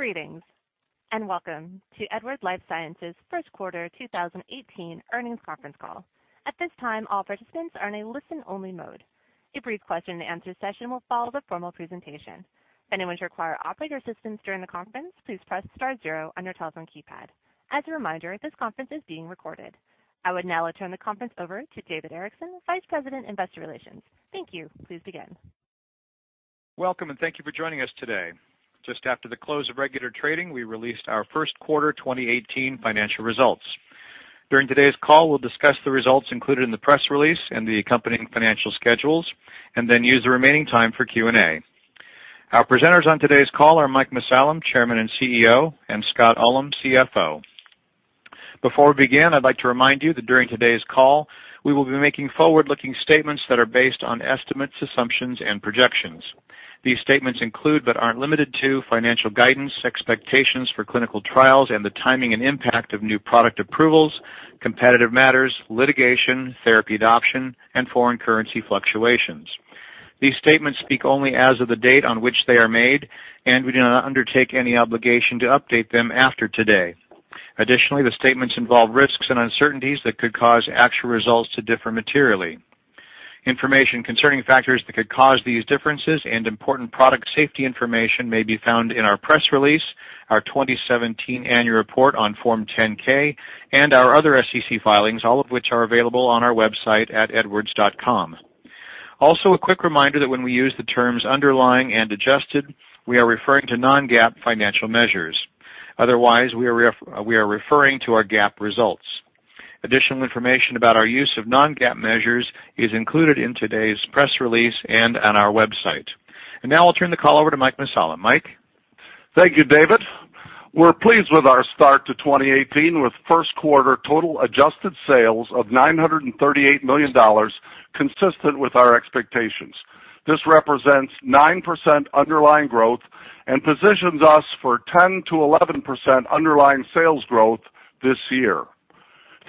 Greetings, welcome to Edwards Lifesciences' first quarter 2018 earnings conference call. At this time, all participants are in a listen-only mode. A brief question and answer session will follow the formal presentation. If anyone requires operator assistance during the conference, please press star zero on your telephone keypad. As a reminder, this conference is being recorded. I would now turn the conference over to David Erickson, Vice President, Investor Relations. Thank you. Please begin. Welcome, thank you for joining us today. Just after the close of regular trading, we released our first quarter 2018 financial results. During today's call, we'll discuss the results included in the press release the accompanying financial schedules, then use the remaining time for Q&A. Our presenters on today's call are Mike Mussallem, Chairman and CEO, Scott Ullem, CFO. Before we begin, I'd like to remind you that during today's call, we will be making forward-looking statements that are based on estimates, assumptions, and projections. These statements include, but aren't limited to, financial guidance, expectations for clinical trials, the timing and impact of new product approvals, competitive matters, litigation, therapy adoption, foreign currency fluctuations. These statements speak only as of the date on which they are made, we do not undertake any obligation to update them after today. Additionally, the statements involve risks and uncertainties that could cause actual results to differ materially. Information concerning factors that could cause these differences important product safety information may be found in our press release, our 2017 annual report on Form 10-K, our other SEC filings, all of which are available on our website at edwards.com. Also, a quick reminder that when we use the terms underlying and adjusted, we are referring to non-GAAP financial measures. Otherwise, we are referring to our GAAP results. Additional information about our use of non-GAAP measures is included in today's press release on our website. Now I'll turn the call over to Mike Mussallem. Mike? Thank you, David. We're pleased with our start to 2018 with first quarter total adjusted sales of $938 million, consistent with our expectations. This represents 9% underlying growth positions us for 10%-11% underlying sales growth this year.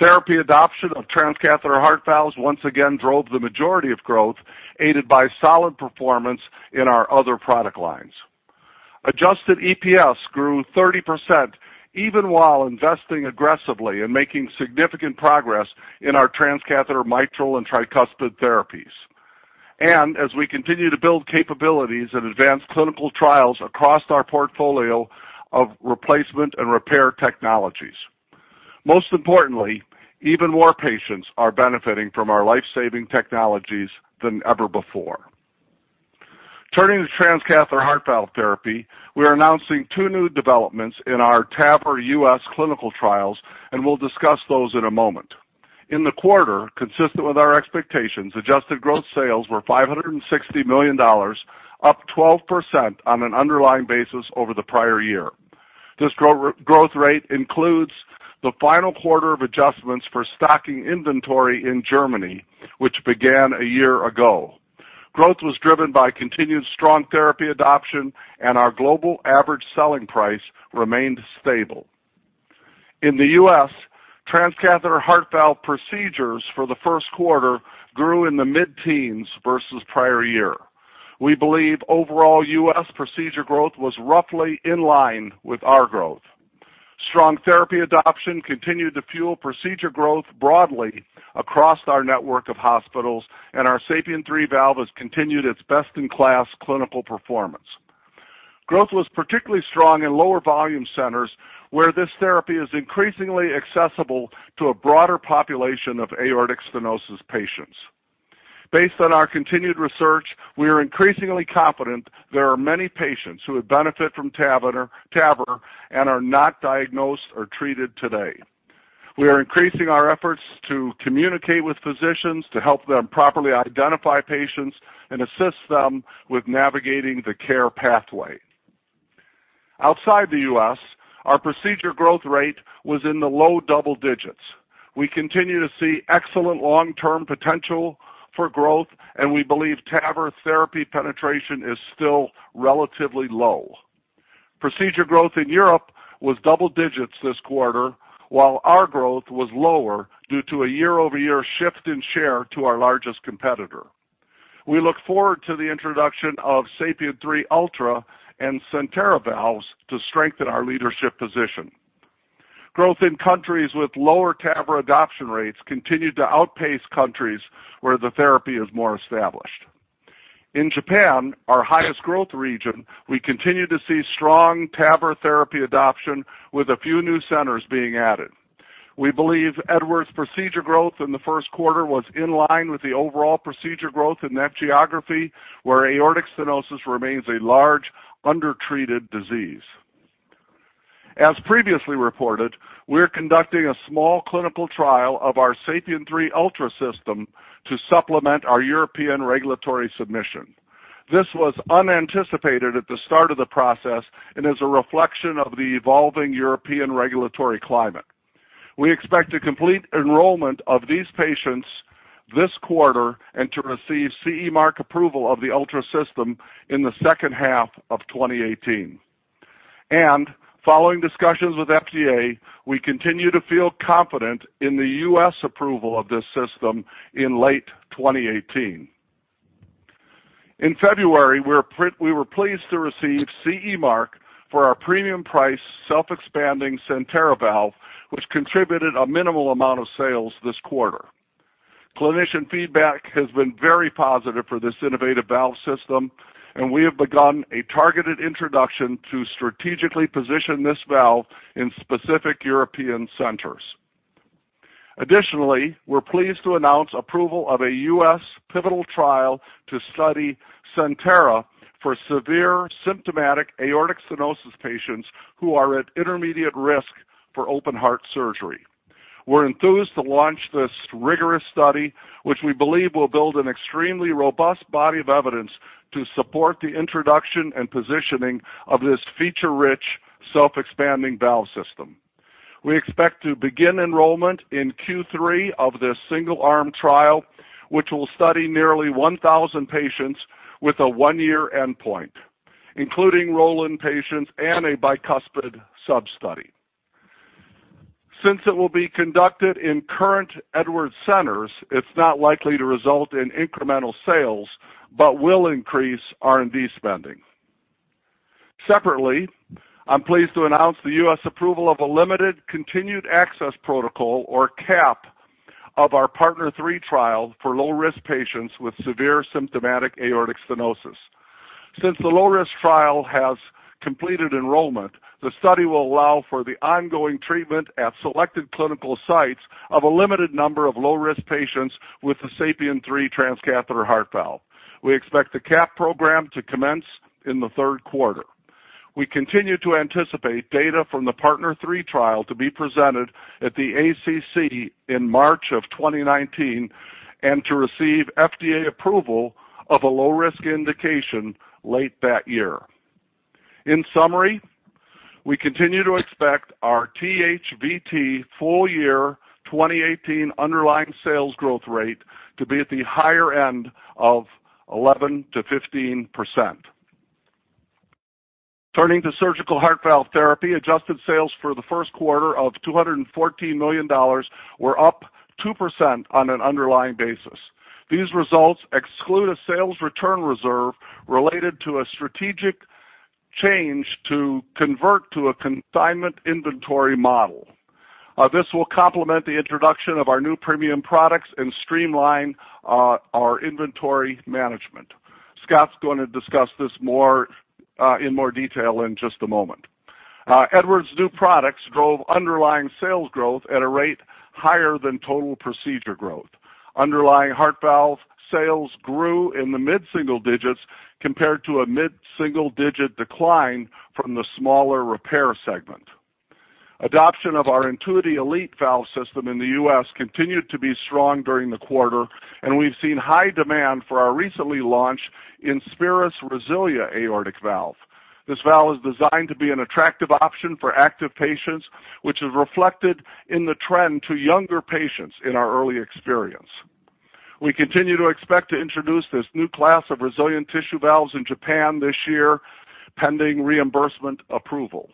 Therapy adoption of transcatheter heart valves once again drove the majority of growth, aided by solid performance in our other product lines. Adjusted EPS grew 30%, even while investing aggressively making significant progress in our transcatheter mitral and tricuspid therapies. As we continue to build capabilities advance clinical trials across our portfolio of replacement and repair technologies. Most importantly, even more patients are benefiting from our life-saving technologies than ever before. Turning to transcatheter heart valve therapy, we are announcing two new developments in our TAVR U.S. clinical trials, we'll discuss those in a moment. In the quarter, consistent with our expectations, adjusted gross sales were $560 million, up 12% on an underlying basis over the prior year. This growth rate includes the final quarter of adjustments for stocking inventory in Germany, which began a year ago. Growth was driven by continued strong therapy adoption. Our global average selling price remained stable. In the U.S., transcatheter heart valve procedures for the first quarter grew in the mid-teens versus prior year. We believe overall U.S. procedure growth was roughly in line with our growth. Strong therapy adoption continued to fuel procedure growth broadly across our network of hospitals. Our SAPIEN 3 valve has continued its best-in-class clinical performance. Growth was particularly strong in lower volume centers, where this therapy is increasingly accessible to a broader population of aortic stenosis patients. Based on our continued research, we are increasingly confident there are many patients who would benefit from TAVR and are not diagnosed or treated today. We are increasing our efforts to communicate with physicians to help them properly identify patients and assist them with navigating the care pathway. Outside the U.S., our procedure growth rate was in the low double digits. We continue to see excellent long-term potential for growth. We believe TAVR therapy penetration is still relatively low. Procedure growth in Europe was double digits this quarter, while our growth was lower due to a year-over-year shift in share to our largest competitor. We look forward to the introduction of SAPIEN 3 Ultra and CENTERA valves to strengthen our leadership position. Growth in countries with lower TAVR adoption rates continued to outpace countries where the therapy is more established. In Japan, our highest growth region, we continue to see strong TAVR therapy adoption with a few new centers being added. We believe Edwards' procedure growth in the first quarter was in line with the overall procedure growth in that geography, where aortic stenosis remains a large undertreated disease. As previously reported, we're conducting a small clinical trial of our SAPIEN 3 Ultra system to supplement our European regulatory submission. This was unanticipated at the start of the process and is a reflection of the evolving European regulatory climate. We expect to complete enrollment of these patients this quarter and to receive CE Mark approval of the Ultra system in the second half of 2018. Following discussions with FDA, we continue to feel confident in the U.S. approval of this system in late 2018. In February, we were pleased to receive CE Mark for our premium priced self-expanding CENTERA valve, which contributed a minimal amount of sales this quarter. Clinician feedback has been very positive for this innovative valve system. We have begun a targeted introduction to strategically position this valve in specific European centers. Additionally, we're pleased to announce approval of a U.S. pivotal trial to study CENTERA for severe symptomatic aortic stenosis patients who are at intermediate risk for open heart surgery. We're enthused to launch this rigorous study, which we believe will build an extremely robust body of evidence to support the introduction and positioning of this feature-rich self-expanding valve system. We expect to begin enrollment in Q3 of this single-arm trial, which will study nearly 1,000 patients with a one-year endpoint, including roll-in patients and a bicuspid sub-study. Since it will be conducted in current Edwards centers, it's not likely to result in incremental sales but will increase R&D spending. Separately, I'm pleased to announce the U.S. approval of a limited continued access protocol or CAP of our PARTNER 3 trial for low-risk patients with severe symptomatic aortic stenosis. Since the low-risk trial has completed enrollment, the study will allow for the ongoing treatment at selected clinical sites of a limited number of low-risk patients with the SAPIEN 3 transcatheter heart valve. We expect the CAP program to commence in the third quarter. We continue to anticipate data from the PARTNER 3 trial to be presented at the ACC in March of 2019 and to receive FDA approval of a low-risk indication late that year. In summary, we continue to expect our THVT full-year 2018 underlying sales growth rate to be at the higher end of 11%-15%. Turning to surgical heart valve therapy, adjusted sales for the first quarter of $214 million were up 2% on an underlying basis. These results exclude a sales return reserve related to a strategic change to convert to a consignment inventory model. This will complement the introduction of our new premium products and streamline our inventory management. Scott's going to discuss this in more detail in just a moment. Edwards' new products drove underlying sales growth at a rate higher than total procedure growth. Underlying heart valve sales grew in the mid-single digits compared to a mid-single digit decline from the smaller repair segment. Adoption of our INTUITY Elite valve system in the U.S. continued to be strong during the quarter. We've seen high demand for our recently launched INSPIRIS RESILIA aortic valve. This valve is designed to be an attractive option for active patients, which is reflected in the trend to younger patients in our early experience. We continue to expect to introduce this new class of resilient tissue valves in Japan this year, pending reimbursement approval.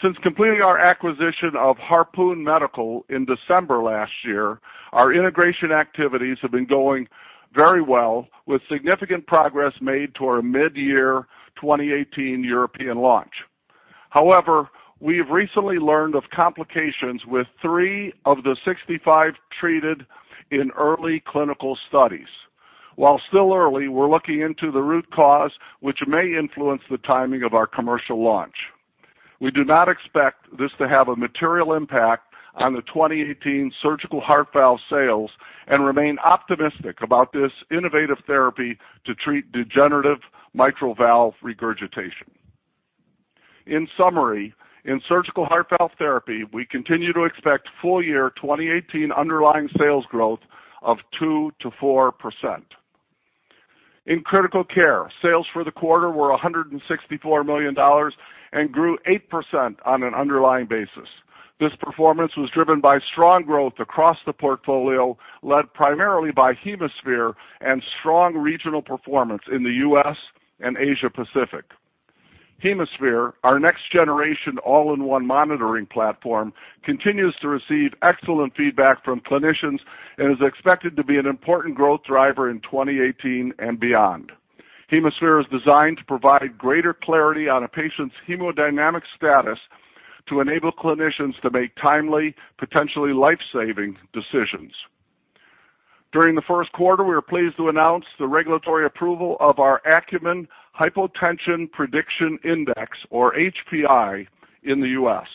Since completing our acquisition of Harpoon Medical in December last year, our integration activities have been going very well with significant progress made to our mid-year 2018 European launch. We have recently learned of complications with 3 of the 65 treated in early clinical studies. While still early, we're looking into the root cause, which may influence the timing of our commercial launch. We do not expect this to have a material impact on the 2018 surgical heart valve sales and remain optimistic about this innovative therapy to treat degenerative mitral valve regurgitation. In summary, in surgical heart valve therapy, we continue to expect full-year 2018 underlying sales growth of 2%-4%. In critical care, sales for the quarter were $164 million and grew 8% on an underlying basis. This performance was driven by strong growth across the portfolio, led primarily by HemoSphere and strong regional performance in the U.S. and Asia Pacific. HemoSphere, our next generation all-in-one monitoring platform, continues to receive excellent feedback from clinicians and is expected to be an important growth driver in 2018 and beyond. HemoSphere is designed to provide greater clarity on a patient's hemodynamic status to enable clinicians to make timely, potentially life-saving decisions. During the first quarter, we were pleased to announce the regulatory approval of our Acumen Hypotension Prediction Index, or HPI, in the U.S.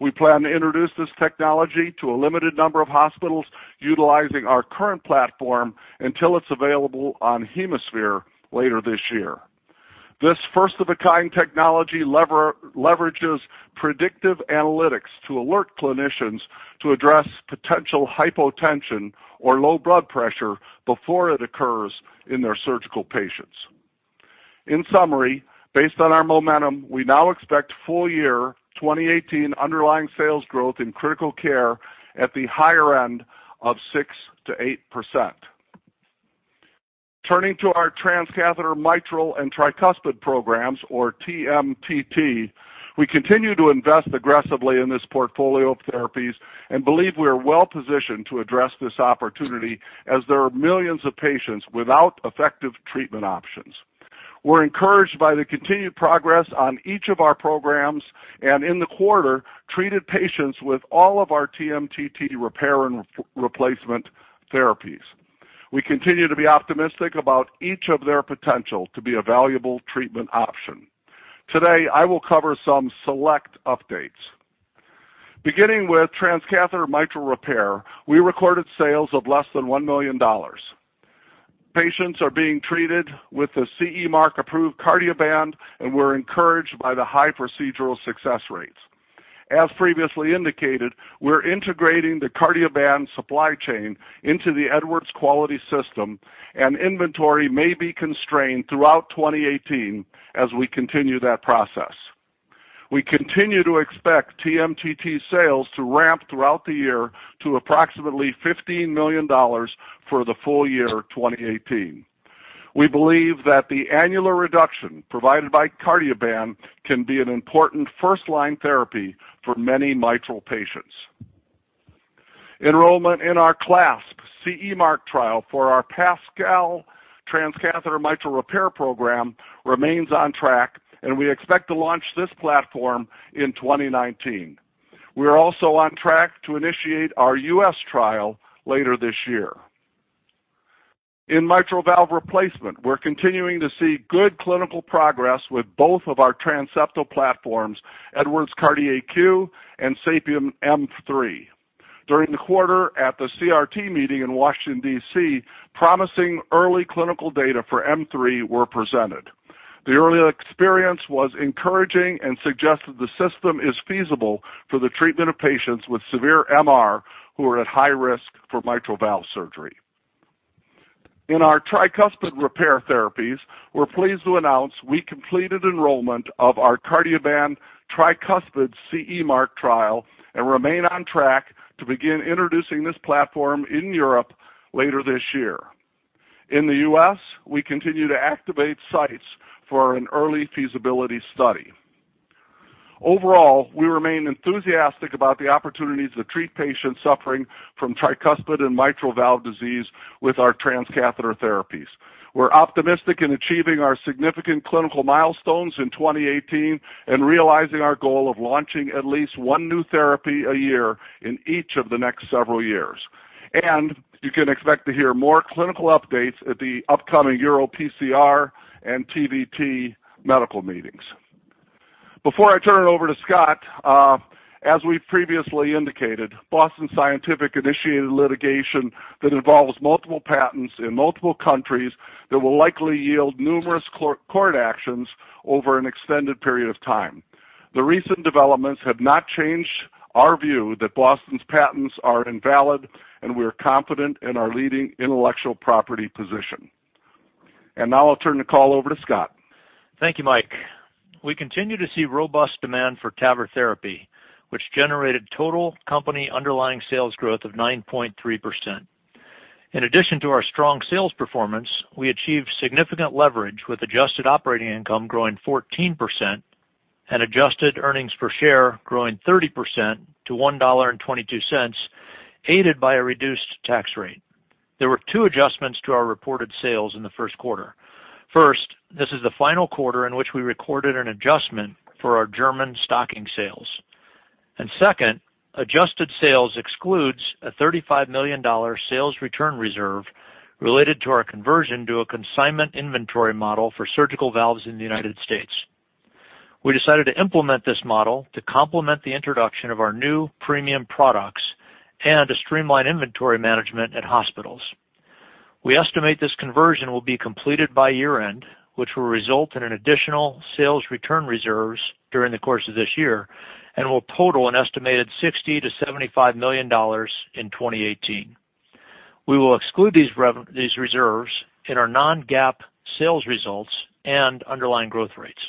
We plan to introduce this technology to a limited number of hospitals utilizing our current platform until it's available on HemoSphere later this year. This first-of-a-kind technology leverages predictive analytics to alert clinicians to address potential hypotension or low blood pressure before it occurs in their surgical patients. In summary, based on our momentum, we now expect full-year 2018 underlying sales growth in critical care at the higher end of 6%-8%. Turning to our transcatheter mitral and tricuspid programs, or TMTT, we continue to invest aggressively in this portfolio of therapies and believe we are well positioned to address this opportunity as there are millions of patients without effective treatment options. We're encouraged by the continued progress on each of our programs. In the quarter, treated patients with all of our TMTT repair and replacement therapies. We continue to be optimistic about each of their potential to be a valuable treatment option. Today, I will cover some select updates. Beginning with transcatheter mitral repair, we recorded sales of less than $1 million. Patients are being treated with the CE Mark-approved Cardioband, and we're encouraged by the high procedural success rates. As previously indicated, we're integrating the Cardioband supply chain into the Edwards quality system, and inventory may be constrained throughout 2018 as we continue that process. We continue to expect TMTT sales to ramp throughout the year to approximately $15 million for the full year 2018. We believe that the annular reduction provided by Cardioband can be an important first-line therapy for many mitral patients. Enrollment in our CLASP CE Mark trial for our PASCAL transcatheter mitral repair program remains on track. We expect to launch this platform in 2019. We are also on track to initiate our U.S. trial later this year. In mitral valve replacement, we're continuing to see good clinical progress with both of our transseptal platforms, Edwards CardiAQ and SAPIEN M3. During the quarter at the CRT meeting in Washington, D.C., promising early clinical data for M3 were presented. The early experience was encouraging and suggested the system is feasible for the treatment of patients with severe MR who are at high risk for mitral valve surgery. In our tricuspid repair therapies, we're pleased to announce we completed enrollment of our Cardioband Tricuspid CE Mark trial and remain on track to begin introducing this platform in Europe later this year. In the U.S., we continue to activate sites for an early feasibility study. Overall, we remain enthusiastic about the opportunities to treat patients suffering from tricuspid and mitral valve disease with our transcatheter therapies. We're optimistic in achieving our significant clinical milestones in 2018 and realizing our goal of launching at least one new therapy a year in each of the next several years. You can expect to hear more clinical updates at the upcoming EuroPCR and TVT medical meetings. Before I turn it over to Scott, as we previously indicated, Boston Scientific-initiated litigation that involves multiple patents in multiple countries that will likely yield numerous court actions over an extended period of time. The recent developments have not changed our view that Boston's patents are invalid. We are confident in our leading intellectual property position. Now I'll turn the call over to Scott. Thank you, Mike. We continue to see robust demand for TAVR therapy, which generated total company underlying sales growth of 9.3%. In addition to our strong sales performance, we achieved significant leverage with adjusted operating income growing 14% and adjusted earnings per share growing 30% to $1.22, aided by a reduced tax rate. There were two adjustments to our reported sales in the first quarter. First, this is the final quarter in which we recorded an adjustment for our German stocking sales. Second, adjusted sales excludes a $35 million sales return reserve related to our conversion to a consignment inventory model for surgical valves in the U.S. We decided to implement this model to complement the introduction of our new premium products and to streamline inventory management at hospitals. We estimate this conversion will be completed by year-end, which will result in an additional sales return reserves during the course of this year and will total an estimated $60 million-$75 million in 2018. We will exclude these reserves in our non-GAAP sales results and underlying growth rates.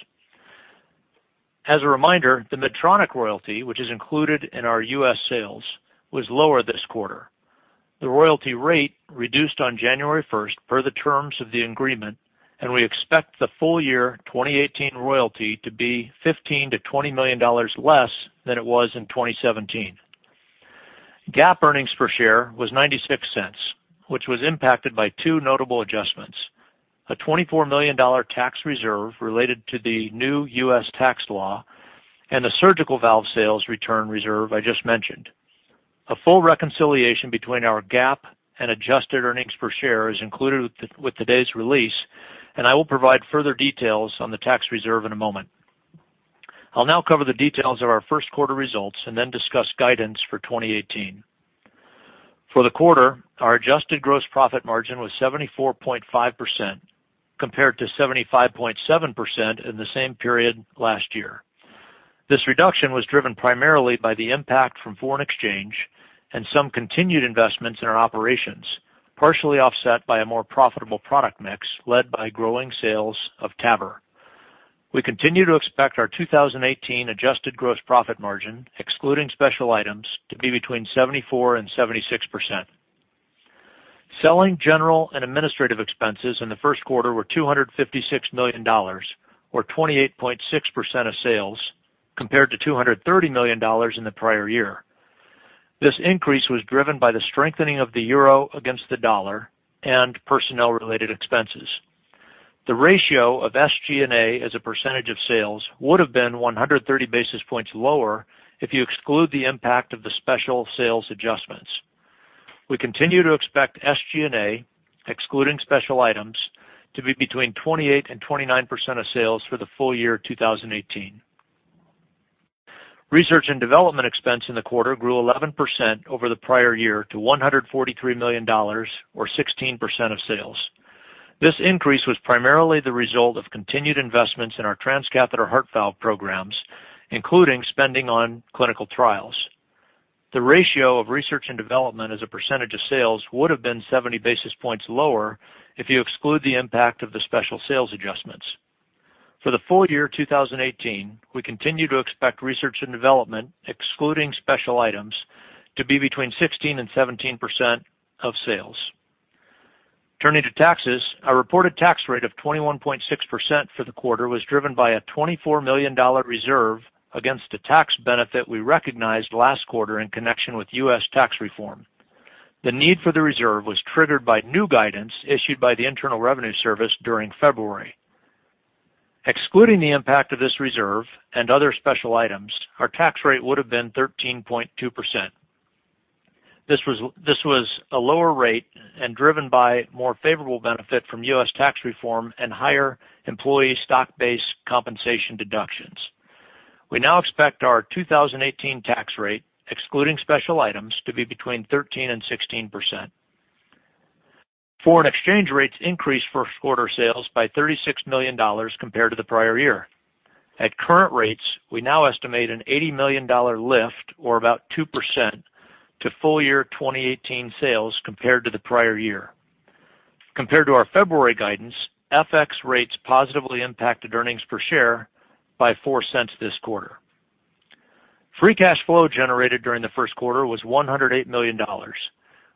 As a reminder, the Medtronic royalty, which is included in our U.S. sales, was lower this quarter. The royalty rate reduced on January 1st per the terms of the agreement, and we expect the full year 2018 royalty to be $15 million-$20 million less than it was in 2017. GAAP earnings per share was $0.96, which was impacted by two notable adjustments: a $24 million tax reserve related to the new U.S. tax law, and the surgical valve sales return reserve I just mentioned. A full reconciliation between our GAAP and adjusted earnings per share is included with today's release. I will provide further details on the tax reserve in a moment. I will now cover the details of our first quarter results and then discuss guidance for 2018. For the quarter, our adjusted gross profit margin was 74.5% compared to 75.7% in the same period last year. This reduction was driven primarily by the impact from foreign exchange and some continued investments in our operations, partially offset by a more profitable product mix led by growing sales of TAVR. We continue to expect our 2018 adjusted gross profit margin, excluding special items, to be between 74% and 76%. Selling general and administrative expenses in the first quarter were $256 million, or 28.6% of sales, compared to $230 million in the prior year. This increase was driven by the strengthening of the euro against the U.S. dollar and personnel-related expenses. The ratio of SGA as a percentage of sales would have been 130 basis points lower if you exclude the impact of the special sales adjustments. We continue to expect SGA, excluding special items, to be between 28% and 29% of sales for the full year 2018. Research and development expense in the quarter grew 11% over the prior year to $143 million, or 16% of sales. This increase was primarily the result of continued investments in our transcatheter heart valve programs, including spending on clinical trials. The ratio of research and development as a percentage of sales would have been 70 basis points lower if you exclude the impact of the special sales adjustments. For the full year 2018, we continue to expect research and development, excluding special items, to be between 16%-17% of sales. Turning to taxes, our reported tax rate of 21.6% for the quarter was driven by a $24 million reserve against a tax benefit we recognized last quarter in connection with U.S. tax reform. The need for the reserve was triggered by new guidance issued by the Internal Revenue Service during February. Excluding the impact of this reserve and other special items, our tax rate would have been 13.2%. This was a lower rate and driven by more favorable benefit from U.S. tax reform and higher employee stock-based compensation deductions. We now expect our 2018 tax rate, excluding special items, to be between 13%-16%. Foreign exchange rates increased first quarter sales by $36 million compared to the prior year. At current rates, we now estimate an $80 million lift, or about 2%, to full year 2018 sales compared to the prior year. Compared to our February guidance, FX rates positively impacted earnings per share by $0.04 this quarter. Free cash flow generated during the first quarter was $108 million.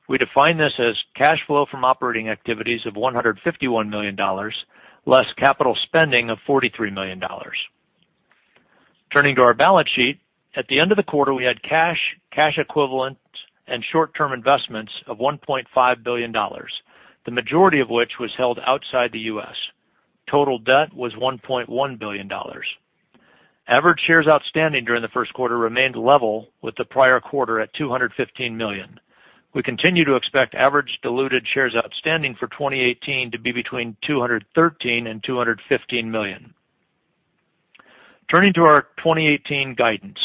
We define this as cash flow from operating activities of $151 million, less capital spending of $43 million. Turning to our balance sheet, at the end of the quarter, we had cash equivalents, and short-term investments of $1.5 billion, the majority of which was held outside the U.S. Total debt was $1.1 billion. Average shares outstanding during the first quarter remained level with the prior quarter at 215 million. We continue to expect average diluted shares outstanding for 2018 to be between 213 and 215 million. Turning to our 2018 guidance.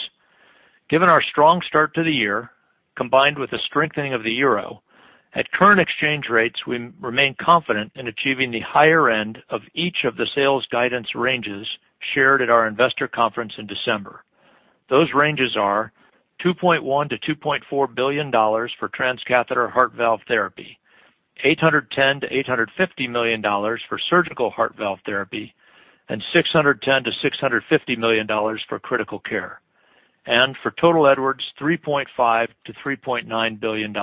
Given our strong start to the year combined with the strengthening of the euro, at current exchange rates, we remain confident in achieving the higher end of each of the sales guidance ranges shared at our investor conference in December. Those ranges are $2.1 billion-$2.4 billion for transcatheter heart valve therapy, $810 million-$850 million for surgical heart valve therapy, and $610 million-$650 million for critical care. For total Edwards, $3.5 billion-$3.9 billion.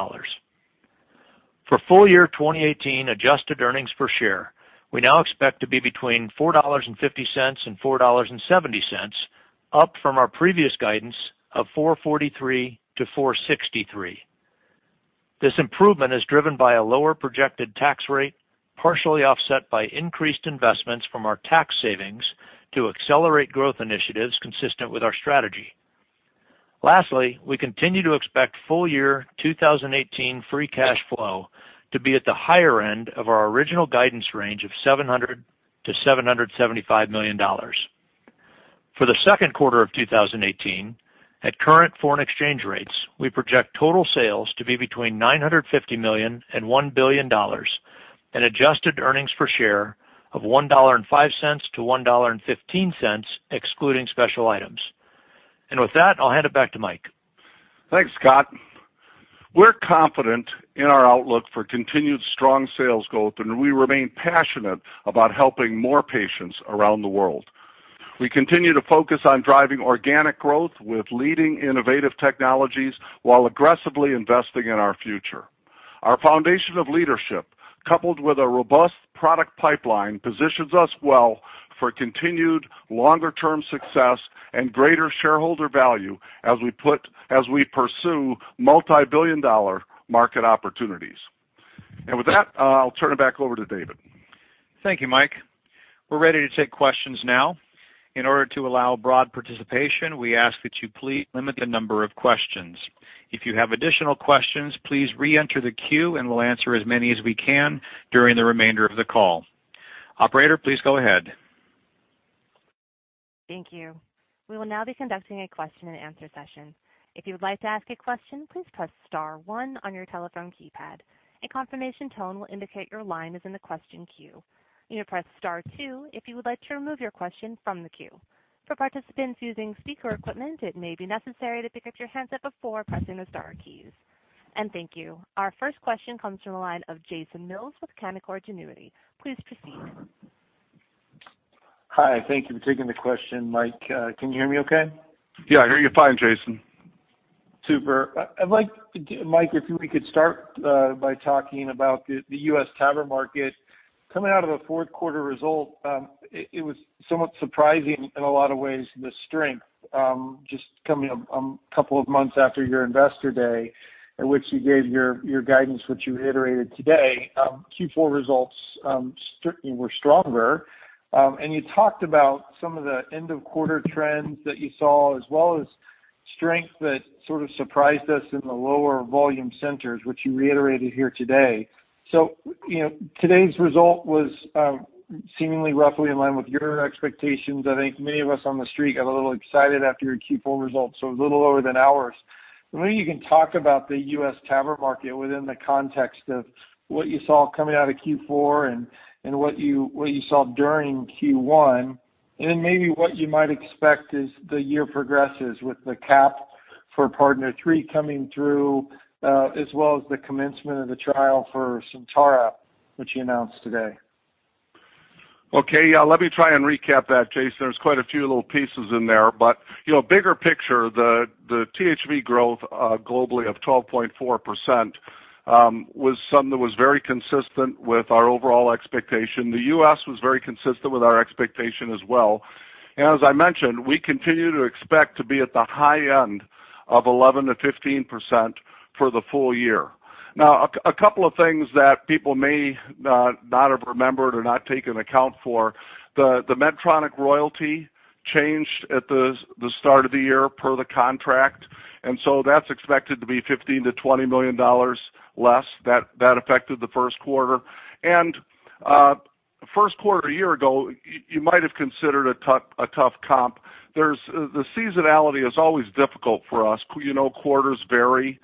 For full year 2018 adjusted earnings per share, we now expect to be between $4.50 and $4.70, up from our previous guidance of $4.43-$4.63. This improvement is driven by a lower projected tax rate, partially offset by increased investments from our tax savings to accelerate growth initiatives consistent with our strategy. Lastly, we continue to expect full year 2018 free cash flow to be at the higher end of our original guidance range of $700 million-$775 million. For the second quarter of 2018, at current foreign exchange rates, we project total sales to be between $950 million and $1 billion, and adjusted earnings per share of $1.05-$1.15, excluding special items. With that, I'll hand it back to Mike. Thanks, Scott. We're confident in our outlook for continued strong sales growth, and we remain passionate about helping more patients around the world. We continue to focus on driving organic growth with leading innovative technologies while aggressively investing in our future. Our foundation of leadership, coupled with a robust product pipeline, positions us well for continued longer-term success and greater shareholder value as we pursue multibillion-dollar market opportunities. With that, I'll turn it back over to David. Thank you, Mike. We're ready to take questions now. In order to allow broad participation, we ask that you please limit the number of questions. If you have additional questions, please reenter the queue and we'll answer as many as we can during the remainder of the call. Operator, please go ahead. Thank you. We will now be conducting a question and answer session. If you would like to ask a question, please press *1 on your telephone keypad. A confirmation tone will indicate your line is in the question queue. You may press *2 if you would like to remove your question from the queue. For participants using speaker equipment, it may be necessary to pick up your handset before pressing the star keys. Thank you. Our first question comes from the line of Jason Mills with Canaccord Genuity. Please proceed. Hi. Thank you for taking the question, Mike. Can you hear me okay? Yeah, I hear you fine, Jason. Super. Mike, if we could start by talking about the U.S. TAVR market. Coming out of the fourth quarter result, it was somewhat surprising in a lot of ways, the strength. Just coming a couple of months after your investor day, in which you gave your guidance, which you reiterated today. Q4 results certainly were stronger. You talked about some of the end-of-quarter trends that you saw, as well as strength that sort of surprised us in the lower volume centers, which you reiterated here today. Today's result was seemingly roughly in line with your expectations. I think many of us on the street got a little excited after your Q4 results, a little lower than ours. I wonder if you can talk about the U.S. TAVR market within the context of what you saw coming out of Q4 and what you saw during Q1, and then maybe what you might expect as the year progresses with the CAP for PARTNER 3 coming through, as well as the commencement of the trial for CENTERA, which you announced today. Okay. Yeah, let me try and recap that, Jason. There's quite a few little pieces in there. Bigger picture, the THV growth globally of 12.4% was something that was very consistent with our overall expectation. The U.S. was very consistent with our expectation as well. As I mentioned, we continue to expect to be at the high end of 11%-15% for the full year. A couple of things that people may not have remembered or not taken account for. The Medtronic royalty changed at the start of the year per the contract, and so that's expected to be $15 million-$20 million less. That affected the first quarter. First quarter a year ago, you might have considered a tough comp. The seasonality is always difficult for us. Quarters vary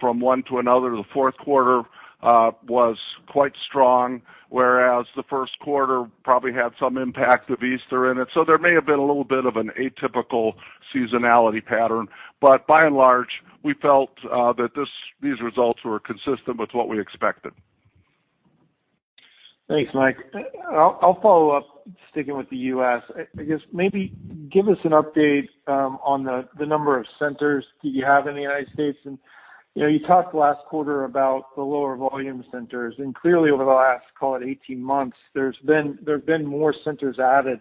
from one to another. The fourth quarter was quite strong, whereas the first quarter probably had some impact of Easter in it. There may have been a little bit of an atypical seasonality pattern. By and large, we felt that these results were consistent with what we expected. Thanks, Mike. I'll follow up, sticking with the U.S. Maybe give us an update on the number of centers that you have in the United States, and you talked last quarter about the lower volume centers, and clearly over the last, call it 18 months, there's been more centers added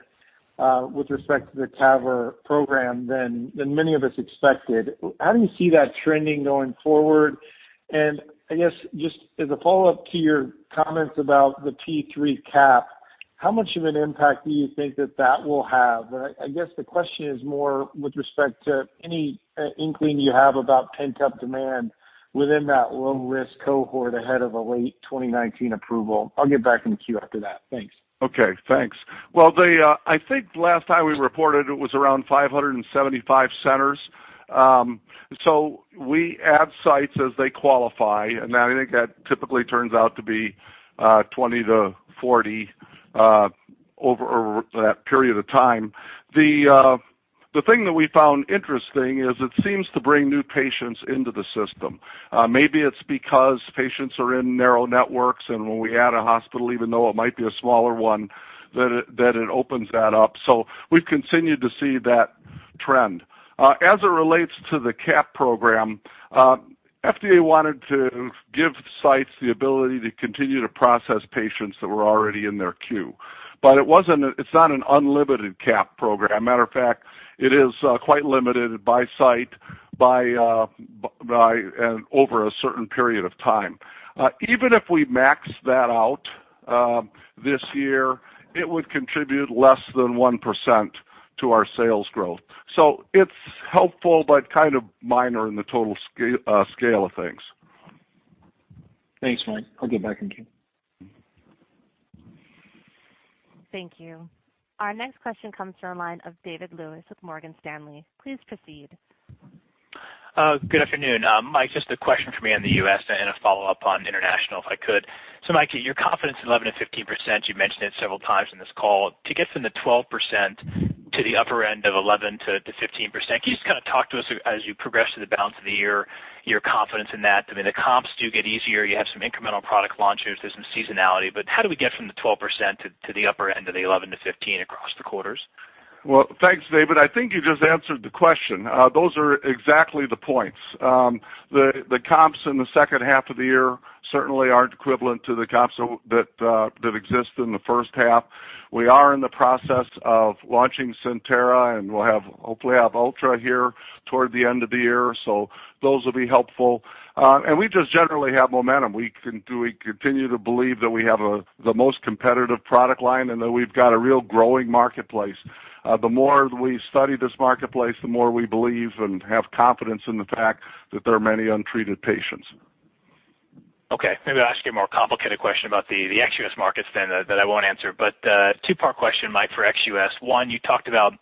with respect to the TAVR program than many of us expected. How do you see that trending going forward? Just as a follow-up to your comments about the P3 CAP, how much of an impact do you think that that will have? The question is more with respect to any inkling you have about pent-up demand within that low-risk cohort ahead of a late 2019 approval. I'll get back in the queue after that. Thanks. Okay, thanks. I think last time we reported it was around 575 centers. We add sites as they qualify, and I think that typically turns out to be 20 to 40 over that period of time. The thing that we found interesting is it seems to bring new patients into the system. Maybe it's because patients are in narrow networks, and when we add a hospital, even though it might be a smaller one, that it opens that up. We've continued to see that trend. As it relates to the CAP program, FDA wanted to give sites the ability to continue to process patients that were already in their queue. It's not an unlimited CAP program. Matter of fact, it is quite limited by site and over a certain period of time. Even if we max that out this year, it would contribute less than 1% to our sales growth. It's helpful but kind of minor in the total scale of things. Thanks, Mike. I'll get back in queue. Thank you. Our next question comes from the line of David Lewis with Morgan Stanley. Please proceed. Good afternoon. Mike, just a question for me on the U.S. and a follow-up on international, if I could. Mike, your confidence in 11%-15%, you've mentioned it several times in this call. To get from the 12% to the upper end of 11%-15%, can you just kind of talk to us as you progress through the balance of the year, your confidence in that? I mean, the comps do get easier. You have some incremental product launches. There's some seasonality. How do we get from the 12% to the upper end of the 11%-15% across the quarters? Well, thanks, David. I think you just answered the question. Those are exactly the points. The comps in the second half of the year certainly aren't equivalent to the comps that exist in the first half. We are in the process of launching CENTERA, and we'll hopefully have Ultra here toward the end of the year. Those will be helpful. We just generally have momentum. We continue to believe that we have the most competitive product line and that we've got a real growing marketplace. The more we study this marketplace, the more we believe and have confidence in the fact that there are many untreated patients. Okay. Maybe I'll ask you a more complicated question about the ex-U.S. markets then that I won't answer. Two-part question, Mike, for ex-U.S. One, you talked about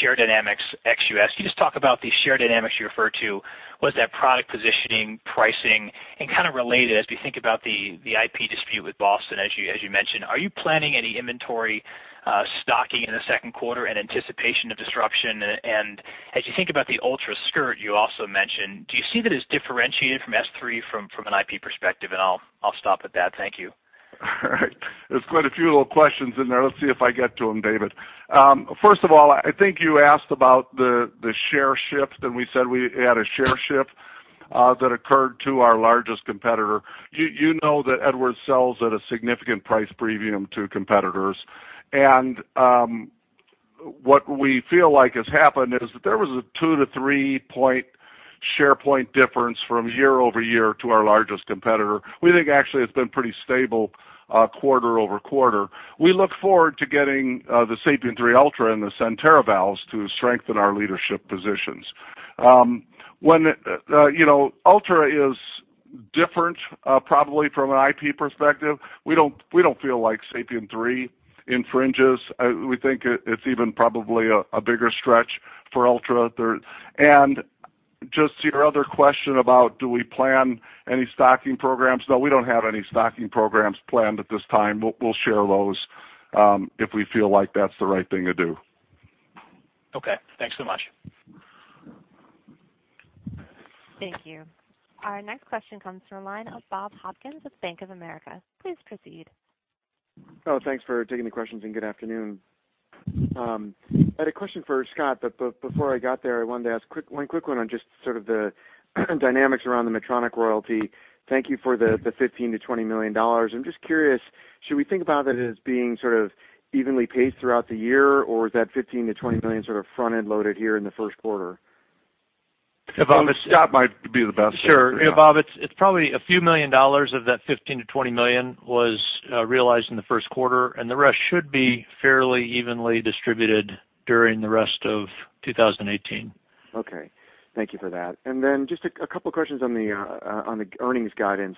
share dynamics ex-U.S. Can you just talk about the share dynamics you refer to? Was that product positioning, pricing? Kind of related, as we think about the IP dispute with Boston, as you mentioned, are you planning any inventory stocking in the second quarter in anticipation of disruption? As you think about the Ultra skirt you also mentioned, do you see that as differentiated from S3 from an IP perspective? I'll stop at that. Thank you. All right. There's quite a few little questions in there. Let's see if I get to them, David. First of all, I think you asked about the share shift, we said we had a share shift that occurred to our largest competitor. You know that Edwards sells at a significant price premium to competitors. What we feel like has happened is that there was a 2 to 3 share point difference from year-over-year to our largest competitor. We think actually it's been pretty stable quarter-over-quarter. We look forward to getting the SAPIEN 3 Ultra and the CENTERA valves to strengthen our leadership positions. Ultra is different, probably from an IP perspective. We don't feel like SAPIEN 3 infringes. We think it's even probably a bigger stretch for Ultra. Just your other question about do we plan any stocking programs? No, we don't have any stocking programs planned at this time. We'll share those, if we feel like that's the right thing to do. Okay. Thanks so much. Thank you. Our next question comes from the line of Bob Hopkins of Bank of America. Please proceed. Oh, thanks for taking the questions. Good afternoon. I had a question for Scott, but before I got there, I wanted to ask one quick one on just sort of the dynamics around the Medtronic royalty. Thank you for the $15 million-$20 million. I'm just curious, should we think about that as being sort of evenly paced throughout the year, or is that $15 million-$20 million sort of front-end loaded here in the first quarter? Bob, Scott might be the best to. Sure. Bob, it's probably a few million dollars of that $15 million-$20 million was realized in the first quarter. The rest should be fairly evenly distributed during the rest of 2018. Okay. Thank you for that. Just a couple questions on the earnings guidance.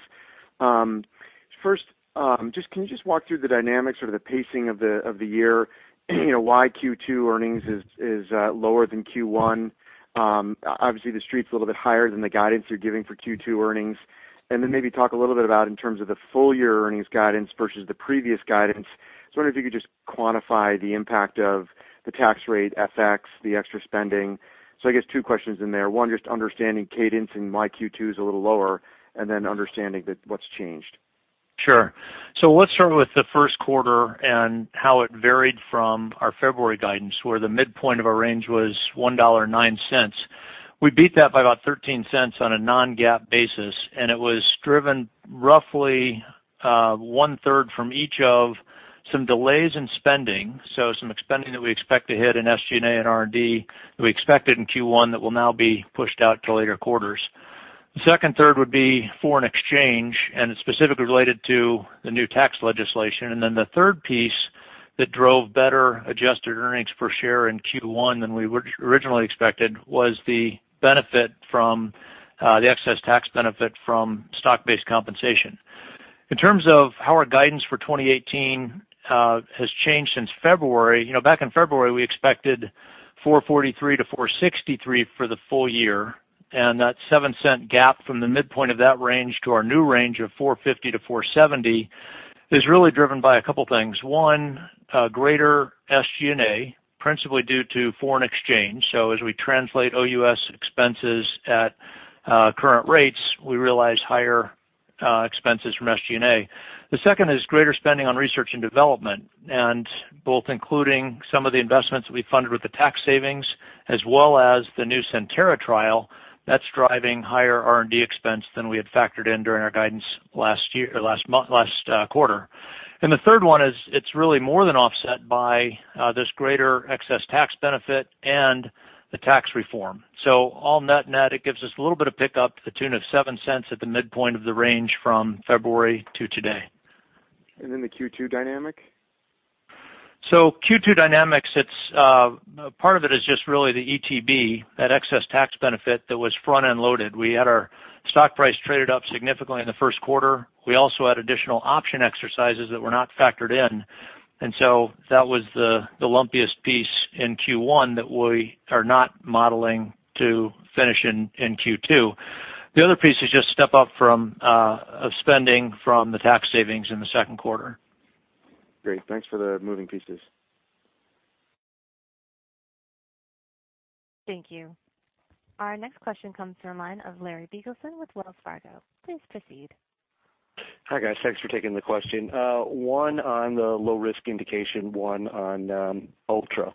First, can you just walk through the dynamics or the pacing of the year? Why Q2 earnings is lower than Q1? Obviously, the Street's a little bit higher than the guidance you're giving for Q2 earnings. Then maybe talk a little bit about in terms of the full year earnings guidance versus the previous guidance. I was wondering if you could just quantify the impact of the tax rate FX, the extra spending. So I guess two questions in there. One, just understanding cadence and why Q2 is a little lower, then understanding what's changed. Sure. Let's start with the first quarter and how it varied from our February guidance, where the midpoint of our range was $1.09. We beat that by about $0.13 on a non-GAAP basis. It was driven roughly one-third from each of some delays in spending, so some spending that we expect to hit in SG&A and R&D that we expected in Q1 that will now be pushed out to later quarters. The second third would be foreign exchange. It's specifically related to the new tax legislation. Then the third piece that drove better-adjusted earnings per share in Q1 than we originally expected was the excess tax benefit from stock-based compensation. In terms of how our guidance for 2018 has changed since February, back in February, we expected $4.43-$4.63 for the full year. That $0.07 gap from the midpoint of that range to our new range of $4.50-$4.70 is really driven by a couple things. One, greater SG&A, principally due to foreign exchange. As we translate OUS expenses at current rates, we realize higher expenses from SG&A. The second is greater spending on research and development, both including some of the investments that we funded with the tax savings as well as the new CENTERA trial, that's driving higher R&D expense than we had factored in during our guidance last quarter. The third one is it's really more than offset by this greater excess tax benefit and the tax reform. All net, it gives us a little bit of pickup to the tune of $0.07 at the midpoint of the range from February to today. The Q2 dynamic? Q2 dynamics, part of it is just really the ETB, that excess tax benefit that was front-end loaded. We had our stock price traded up significantly in the first quarter. We also had additional option exercises that were not factored in. That was the lumpiest piece in Q1 that we are not modeling to finish in Q2. The other piece is just step up of spending from the tax savings in the second quarter. Great. Thanks for the moving pieces. Thank you. Our next question comes from the line of Larry Biegelsen with Wells Fargo. Please proceed. Hi, guys. Thanks for taking the question. One on the low-risk indication, one on Ultra.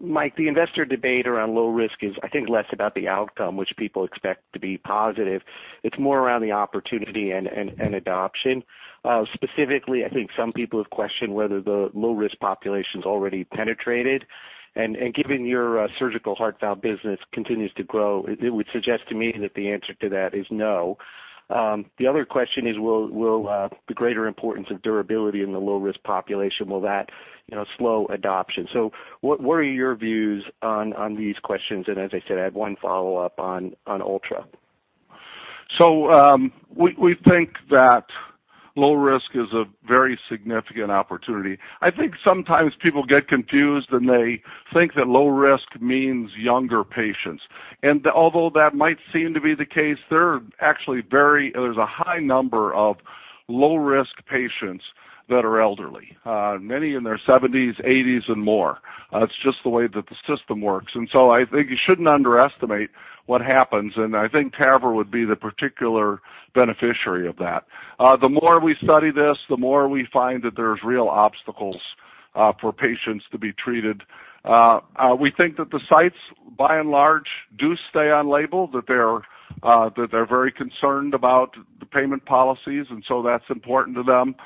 Mike, the investor debate around low risk is, I think, less about the outcome which people expect to be positive. It's more around the opportunity and adoption. Specifically, I think some people have questioned whether the low-risk population's already penetrated. Given your surgical heart valve business continues to grow, it would suggest to me that the answer to that is no. The other question is, will the greater importance of durability in the low-risk population, will that slow adoption? What are your views on these questions? As I said, I have one follow-up on Ultra. We think that low risk is a very significant opportunity. I think sometimes people get confused, they think that low risk means younger patients. Although that might seem to be the case, there's a high number of low-risk patients that are elderly, many in their 70s, 80s, and more. It's just the way that the system works. I think you shouldn't underestimate what happens, I think TAVR would be the particular beneficiary of that. The more we study this, the more we find that there's real obstacles for patients to be treated. We think that the sites, by and large, do stay on label, that they're very concerned about the payment policies, that's important to them.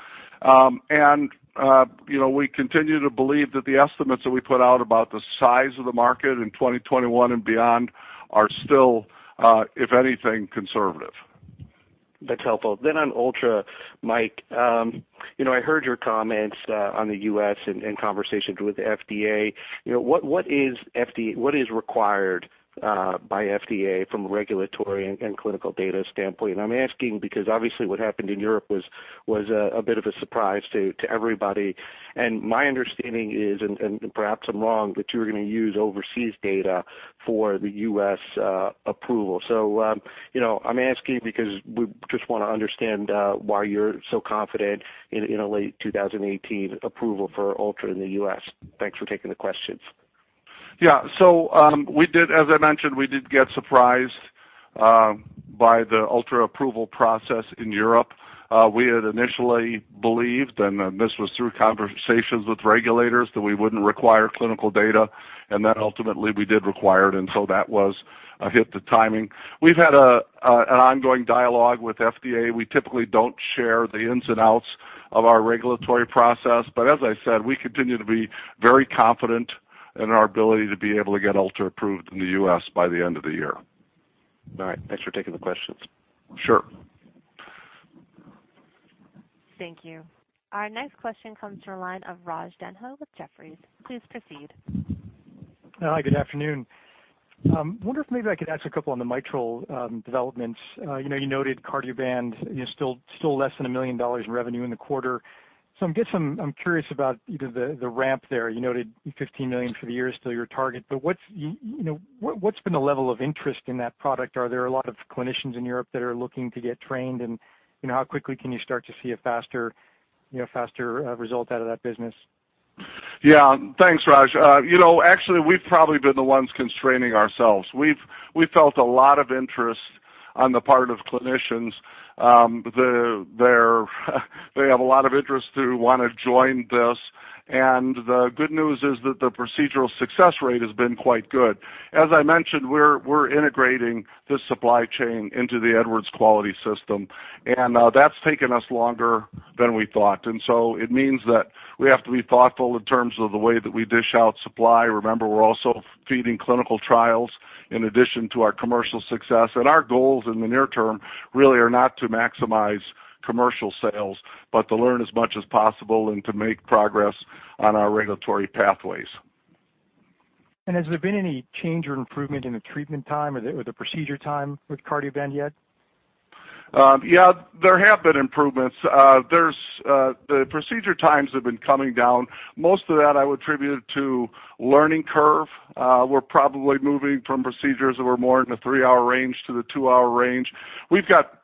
We continue to believe that the estimates that we put out about the size of the market in 2021 and beyond are still, if anything, conservative. That's helpful. On Ultra, Mike, I heard your comments on the U.S. and conversations with FDA. What is required by FDA from a regulatory and clinical data standpoint? I'm asking because obviously what happened in Europe was a bit of a surprise to everybody, my understanding is, perhaps I'm wrong, you were going to use overseas data for the U.S. approval. I'm asking because we just want to understand why you're so confident in a late 2018 approval for Ultra in the U.S. Thanks for taking the questions. As I mentioned, we did get surprised by the Ultra approval process in Europe. We had initially believed, and this was through conversations with regulators, that we wouldn't require clinical data, ultimately we did require it. That was a hit to timing. We've had an ongoing dialogue with FDA. We typically don't share the ins and outs of our regulatory process. As I said, we continue to be very confident in our ability to be able to get Ultra approved in the U.S. by the end of the year. All right. Thanks for taking the questions. Sure. Thank you. Our next question comes from the line of Raj Denhoy with Jefferies. Please proceed. Hi, good afternoon. I wonder if maybe I could ask a couple on the mitral developments. You noted Cardioband is still less than $1 million in revenue in the quarter. I'm curious about the ramp there. You noted $15 million for the year is still your target, but what's been the level of interest in that product? Are there a lot of clinicians in Europe that are looking to get trained, how quickly can you start to see a faster result out of that business? Yeah. Thanks, Raj. Actually, we've probably been the ones constraining ourselves. We felt a lot of interest on the part of clinicians. They have a lot of interest to want to join this. The good news is that the procedural success rate has been quite good. As I mentioned, we're integrating this supply chain into the Edwards quality system, and that's taken us longer than we thought. It means that we have to be thoughtful in terms of the way that we dish out supply. Remember, we're also feeding clinical trials in addition to our commercial success. Our goals in the near term really are not to maximize commercial sales, but to learn as much as possible and to make progress on our regulatory pathways. Has there been any change or improvement in the treatment time or the procedure time with Cardioband yet? Yeah, there have been improvements. The procedure times have been coming down. Most of that I would attribute it to learning curve. We're probably moving from procedures that were more in the three-hour range to the two-hour range. We've got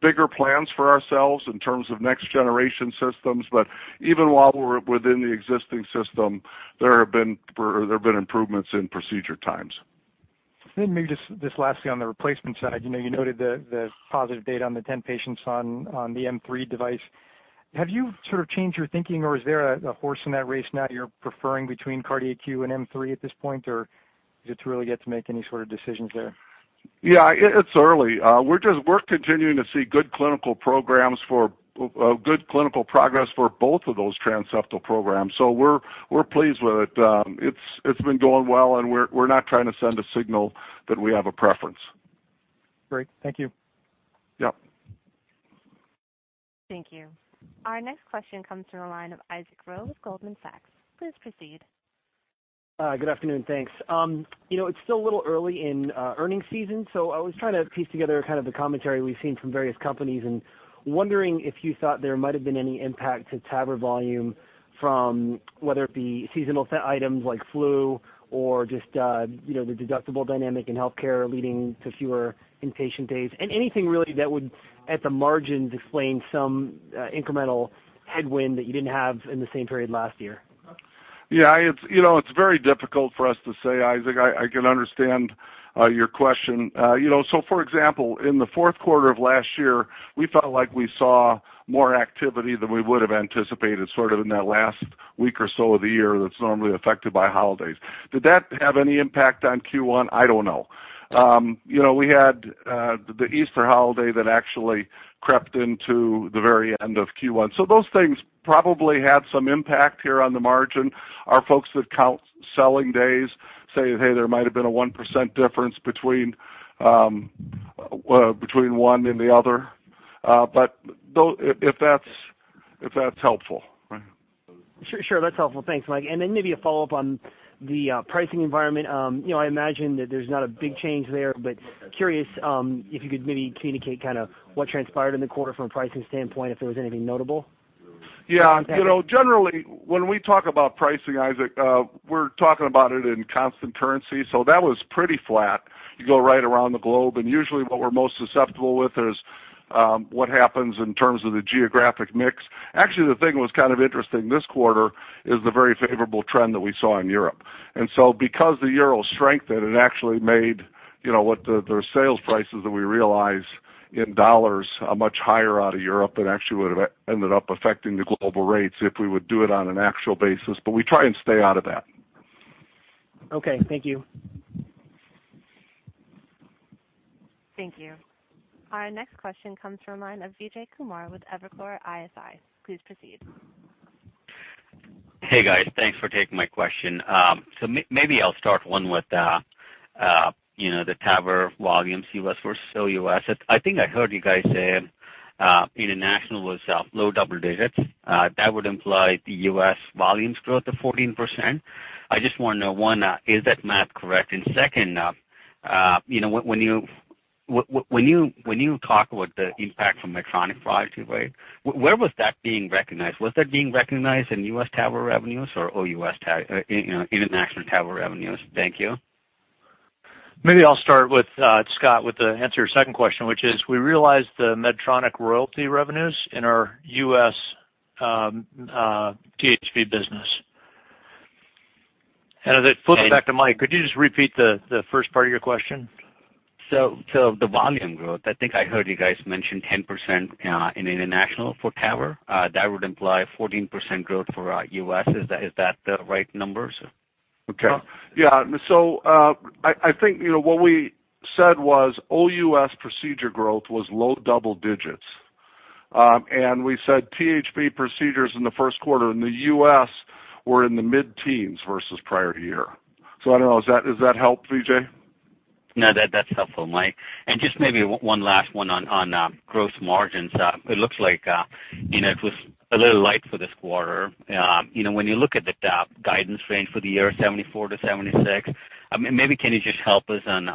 bigger plans for ourselves in terms of next generation systems, but even while we're within the existing system, there have been improvements in procedure times. Maybe just this last thing on the replacement side. You noted the positive data on the 10 patients on the M3 device. Have you sort of changed your thinking, or is there a horse in that race now that you're preferring between CardiAQ and M3 at this point, or did you really get to make any sort of decisions there? Yeah, it's early. We're continuing to see good clinical progress for both of those transseptal programs, we're pleased with it. It's been going well, we're not trying to send a signal that we have a preference. Great. Thank you. Yep. Thank you. Our next question comes from the line of Isaac Ro with Goldman Sachs. Please proceed. Good afternoon. Thanks. It's still a little early in earnings season, I was trying to piece together kind of the commentary we've seen from various companies, wondering if you thought there might have been any impact to TAVR volume from whether it be seasonal items like flu or just the deductible dynamic in healthcare leading to fewer inpatient days, anything really that would, at the margins, explain some incremental headwind that you didn't have in the same period last year. It's very difficult for us to say, Isaac. I can understand your question. For example, in the fourth quarter of last year, we felt like we saw more activity than we would have anticipated sort of in that last week or so of the year that's normally affected by holidays. Did that have any impact on Q1? I don't know. We had the Easter holiday that actually crept into the very end of Q1, those things probably had some impact here on the margin. Our folks that count selling days say, hey, there might have been a 1% difference between one and the other, if that's helpful. Sure, that's helpful. Thanks, Mike. Then maybe a follow-up on the pricing environment. I imagine that there's not a big change there, curious if you could maybe communicate kind of what transpired in the quarter from a pricing standpoint, if there was anything notable. Generally, when we talk about pricing, Isaac, we're talking about it in constant currency, that was pretty flat. You go right around the globe, usually what we're most susceptible with is what happens in terms of the geographic mix. Actually, the thing that was kind of interesting this quarter is the very favorable trend that we saw in Europe. Because the euro strengthened, it actually made the sales prices that we realize in dollars much higher out of Europe than actually would've ended up affecting the global rates if we would do it on an actual basis. We try and stay out of that. Thank you. Thank you. Our next question comes from the line of Vijay Kumar with Evercore ISI. Please proceed. Hey, guys. Thanks for taking my question. Maybe I'll start one with the TAVR volumes, U.S. versus OUS. I think I heard you guys say international was low double digits. That would imply the U.S. volumes growth of 14%. I just want to know, one, is that math correct? Second, when you talk about the impact from Medtronic products, where was that being recognized? Was that being recognized in U.S. TAVR revenues or OUS international TAVR revenues? Thank you. Maybe I'll start with, Scott, with the answer to your second question, which is, we realized the Medtronic royalty revenues in our U.S. THV business. As it flips back to Mike, could you just repeat the first part of your question? The volume growth, I think I heard you guys mention 10% in international for TAVR. That would imply 14% growth for our U.S. Is that the right numbers? Okay. Yeah. I think what we said was OUS procedure growth was low double digits. We said THV procedures in the first quarter in the U.S. were in the mid-teens versus prior year. I don't know. Does that help, Vijay? No, that's helpful, Mike. Just maybe one last one on gross margins. It looks like it was a little light for this quarter. When you look at the guidance range for the year, 74%-76%, maybe can you just help us on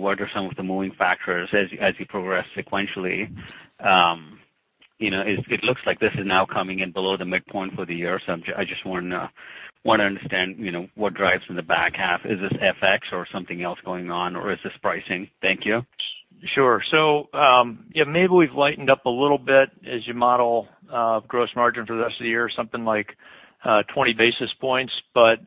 what are some of the moving factors as you progress sequentially? It looks like this is now coming in below the midpoint for the year, I just want to understand what drives in the back half. Is this FX or something else going on, or is this pricing? Thank you. Sure. Maybe we've lightened up a little bit as you model gross margin for the rest of the year, something like 20 basis points,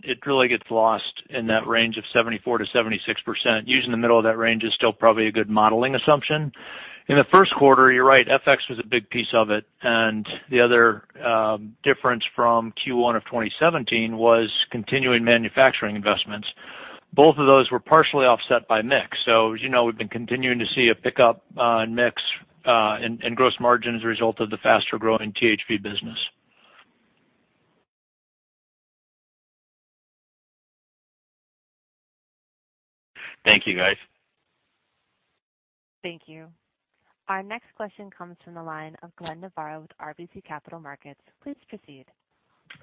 it really gets lost in that range of 74%-76%. Using the middle of that range is still probably a good modeling assumption. In the first quarter, you're right, FX was a big piece of it, and the other difference from Q1 of 2017 was continuing manufacturing investments. Both of those were partially offset by mix. As you know, we've been continuing to see a pickup on mix and gross margin as a result of the faster-growing THV business. Thank you, guys. Thank you. Our next question comes from the line of Glenn Novarro with RBC Capital Markets. Please proceed.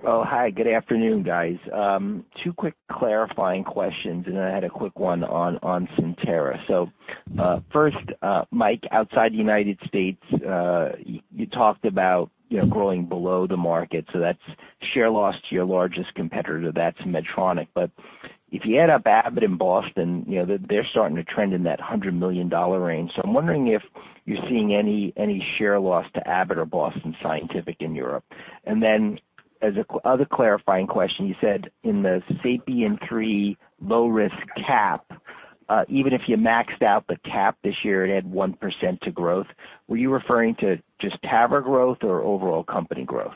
Hi. Good afternoon, guys. Two quick clarifying questions, then I had a quick one on CENTERA. First, Mike, outside the United States, you talked about growing below the market, that's share loss to your largest competitor, that's Medtronic. If you add up Abbott and Boston, they're starting to trend in that $100 million range. I'm wondering if you're seeing any share loss to Abbott or Boston Scientific in Europe. Then, as a other clarifying question, you said in the SAPIEN 3 low-risk CAP, even if you maxed out the CAP this year, it'd add 1% to growth. Were you referring to just TAVR growth or overall company growth?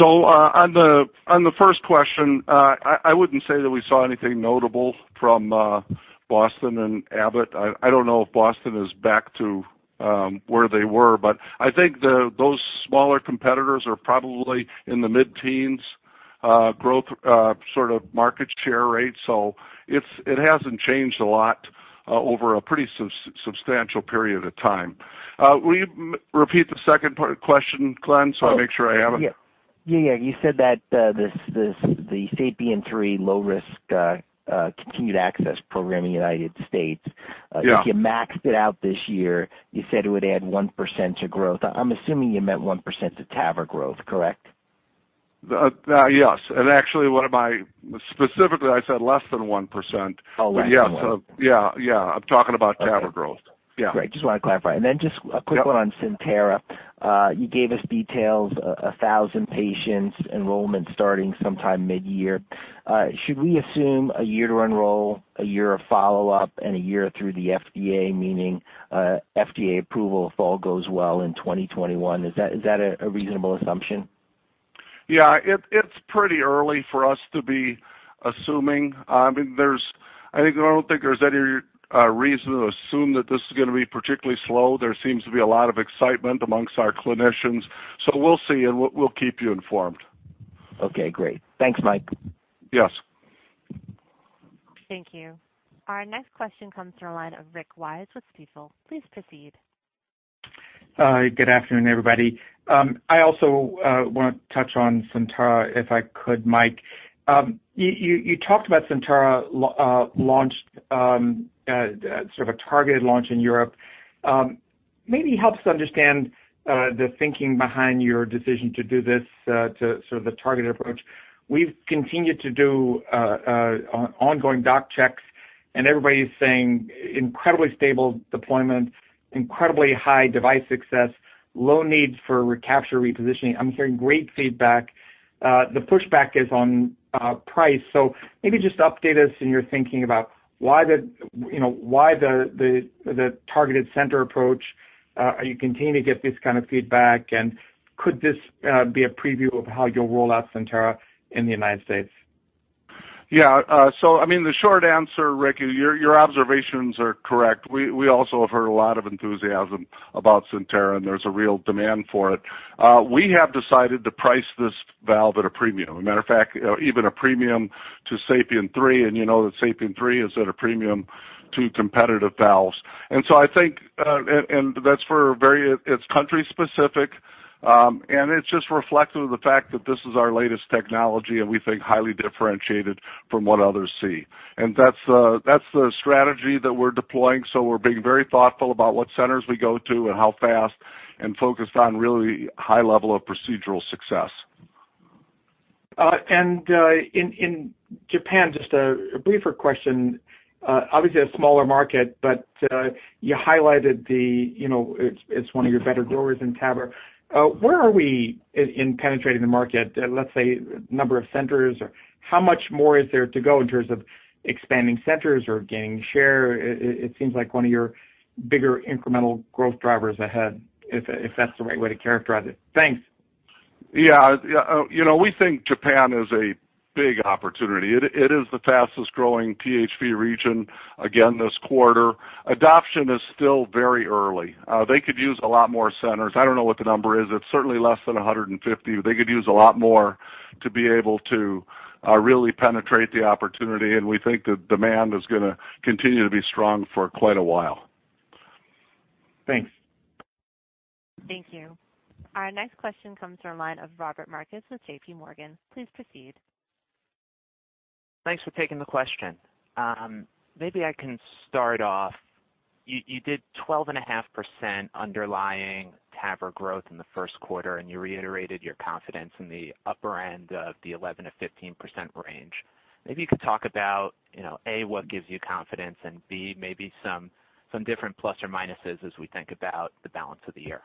On the first question, I wouldn't say that we saw anything notable from Boston and Abbott. I don't know if Boston is back to where they were, but I think those smaller competitors are probably in the mid-teens growth sort of market share rate. It hasn't changed a lot over a pretty substantial period of time. Will you repeat the second part of the question, Glenn, so I make sure I have it? Yeah. You said that the SAPIEN 3 low-risk continued access program in the U.S. Yeah. If you maxed it out this year, you said it would add 1% to growth. I'm assuming you meant 1% to TAVR growth, correct? Yes. Actually, specifically, I said less than 1%. Oh, less than 1%. Yeah. I'm talking about TAVR growth. Okay. Yeah. Great. Just want to clarify. Then just a quick one on CENTERA. You gave us details, 1,000 patients, enrollment starting sometime mid-year. Should we assume a year to enroll, a year of follow-up, and a year through the FDA, meaning FDA approval if all goes well in 2021. Is that a reasonable assumption? Yeah. It's pretty early for us to be assuming. I don't think there's any reason to assume that this is going to be particularly slow. There seems to be a lot of excitement amongst our clinicians. We'll see, and we'll keep you informed. Okay, great. Thanks, Mike. Yes. Thank you. Our next question comes from the line of Rick Wise with Stifel. Please proceed. Hi, good afternoon, everybody. I also want to touch on CENTERA if I could, Mike. You talked about CENTERA sort of a targeted launch in Europe. Maybe helps to understand the thinking behind your decision to do this to sort of the targeted approach. We've continued to do ongoing doc checks, and everybody's saying incredibly stable deployment, incredibly high device success, low needs for recapture repositioning. I'm hearing great feedback. The pushback is on price. Maybe just update us in your thinking about why the targeted center approach. Are you continuing to get this kind of feedback and Could this be a preview of how you'll roll out CENTERA in the U.S.? Yeah. The short answer, Rick, your observations are correct. We also have heard a lot of enthusiasm about CENTERA, and there's a real demand for it. We have decided to price this valve at a premium. As a matter of fact, even a premium to SAPIEN 3, and you know that SAPIEN 3 is at a premium to competitive valves. That's country specific, and it's just reflective of the fact that this is our latest technology, and we think highly differentiated from what others see. That's the strategy that we're deploying. We're being very thoughtful about what centers we go to and how fast, and focused on really high level of procedural success. In Japan, just a briefer question. Obviously, a smaller market, but you highlighted it's one of your better growers in TAVR. Where are we in penetrating the market? Let's say, number of centers or how much more is there to go in terms of expanding centers or gaining share? It seems like one of your bigger incremental growth drivers ahead, if that's the right way to characterize it. Thanks. Yeah. We think Japan is a big opportunity. It is the fastest growing THV region again this quarter. Adoption is still very early. They could use a lot more centers. I don't know what the number is. It's certainly less than 150. They could use a lot more to be able to really penetrate the opportunity. We think the demand is going to continue to be strong for quite a while. Thanks. Thank you. Our next question comes from the line of Robbie Marcus with J.P. Morgan. Please proceed. Thanks for taking the question. Maybe I can start off, you did 12.5% underlying TAVR growth in the first quarter. You reiterated your confidence in the upper end of the 11%-15% range. Maybe you could talk about, A, what gives you confidence, and B, maybe some different plus or minuses as we think about the balance of the year.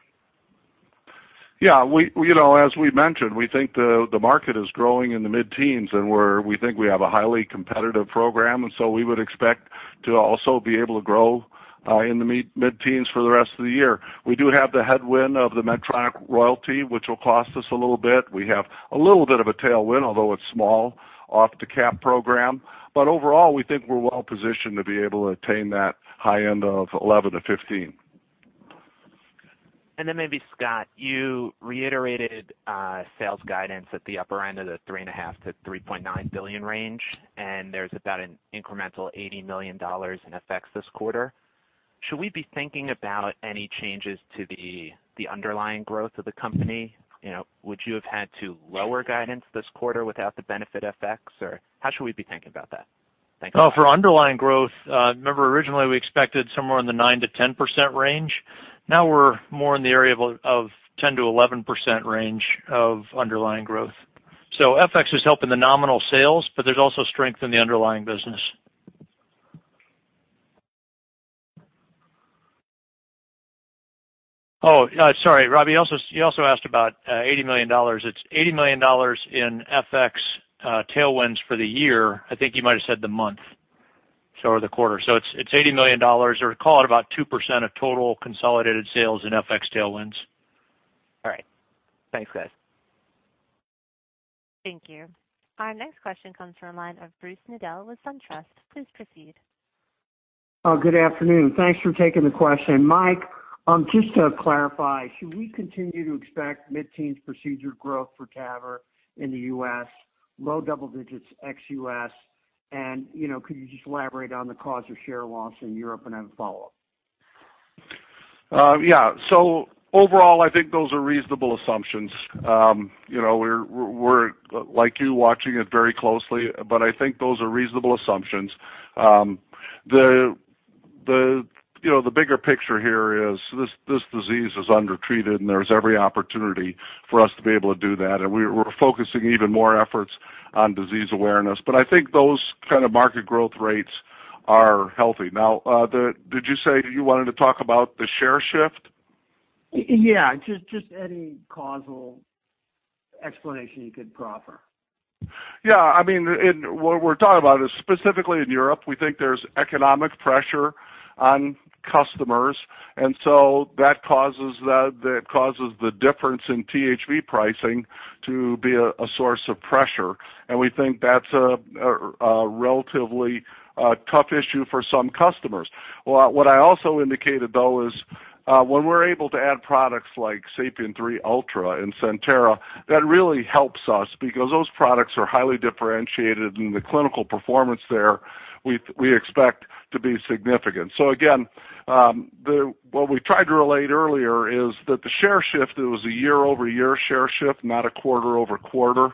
Yeah. As we mentioned, we think the market is growing in the mid-teens. We think we have a highly competitive program, so we would expect to also be able to grow in the mid-teens for the rest of the year. We do have the headwind of the Medtronic royalty, which will cost us a little bit. We have a little bit of a tailwind, although it's small off the CAP program. Overall, we think we're well positioned to be able to attain that high end of 11%-15%. Maybe, Scott, you reiterated sales guidance at the upper end of the $3.5 billion-$3.9 billion range, and there's about an incremental $80 million in FX this quarter. Should we be thinking about any changes to the underlying growth of the company? Would you have had to lower guidance this quarter without the benefit FX, or how should we be thinking about that? Thanks. For underlying growth, remember originally we expected somewhere in the 9%-10% range. Now we're more in the area of 10%-11% range of underlying growth. FX is helping the nominal sales, but there's also strength in the underlying business. Oh, sorry, Robbie, you also asked about $80 million. It's $80 million in FX tailwinds for the year. I think you might have said the month, so the quarter. It's $80 million, or call it about 2% of total consolidated sales in FX tailwinds. All right. Thanks, guys. Thank you. Our next question comes from the line of Bruce Nudell with SunTrust. Please proceed. Oh, good afternoon. Thanks for taking the question. Mike, just to clarify, should we continue to expect mid-teens procedure growth for TAVR in the U.S., low double digits ex-U.S.? Could you just elaborate on the cause of share loss in Europe and have a follow-up? Yeah. Overall, I think those are reasonable assumptions. We're, like you, watching it very closely, but I think those are reasonable assumptions. The bigger picture here is this disease is undertreated and there's every opportunity for us to be able to do that, and we're focusing even more efforts on disease awareness. I think those kind of market growth rates are healthy. Now, did you say you wanted to talk about the share shift? Yeah. Just any causal explanation you could proffer. Yeah. What we're talking about is specifically in Europe, we think there's economic pressure on customers, and so that causes the difference in THV pricing to be a source of pressure, and we think that's a relatively tough issue for some customers. What I also indicated, though, is when we're able to add products like SAPIEN 3 Ultra and CENTERA, that really helps us because those products are highly differentiated in the clinical performance there, we expect to be significant. Again, what we tried to relate earlier is that the share shift, it was a year-over-year share shift, not a quarter-over-quarter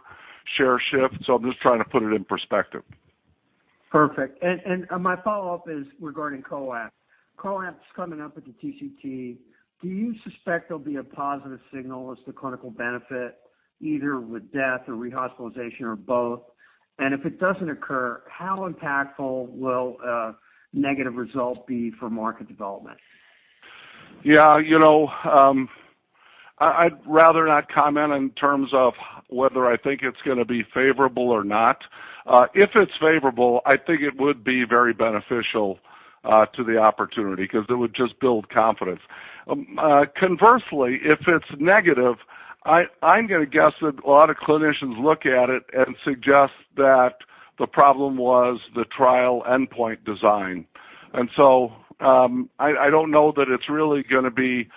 share shift. I'm just trying to put it in perspective. My follow-up is regarding COAPT. COAPT's coming up at the TCT. Do you suspect there'll be a positive signal as to clinical benefit, either with death or rehospitalization or both? If it doesn't occur, how impactful will a negative result be for market development? Yeah. I'd rather not comment in terms of whether I think it's going to be favorable or not. If it's favorable, I think it would be very beneficial to the opportunity, because it would just build confidence. Conversely, if it's negative, I'm going to guess that a lot of clinicians look at it and suggest that the problem was the trial endpoint design. I don't know that it's really going to be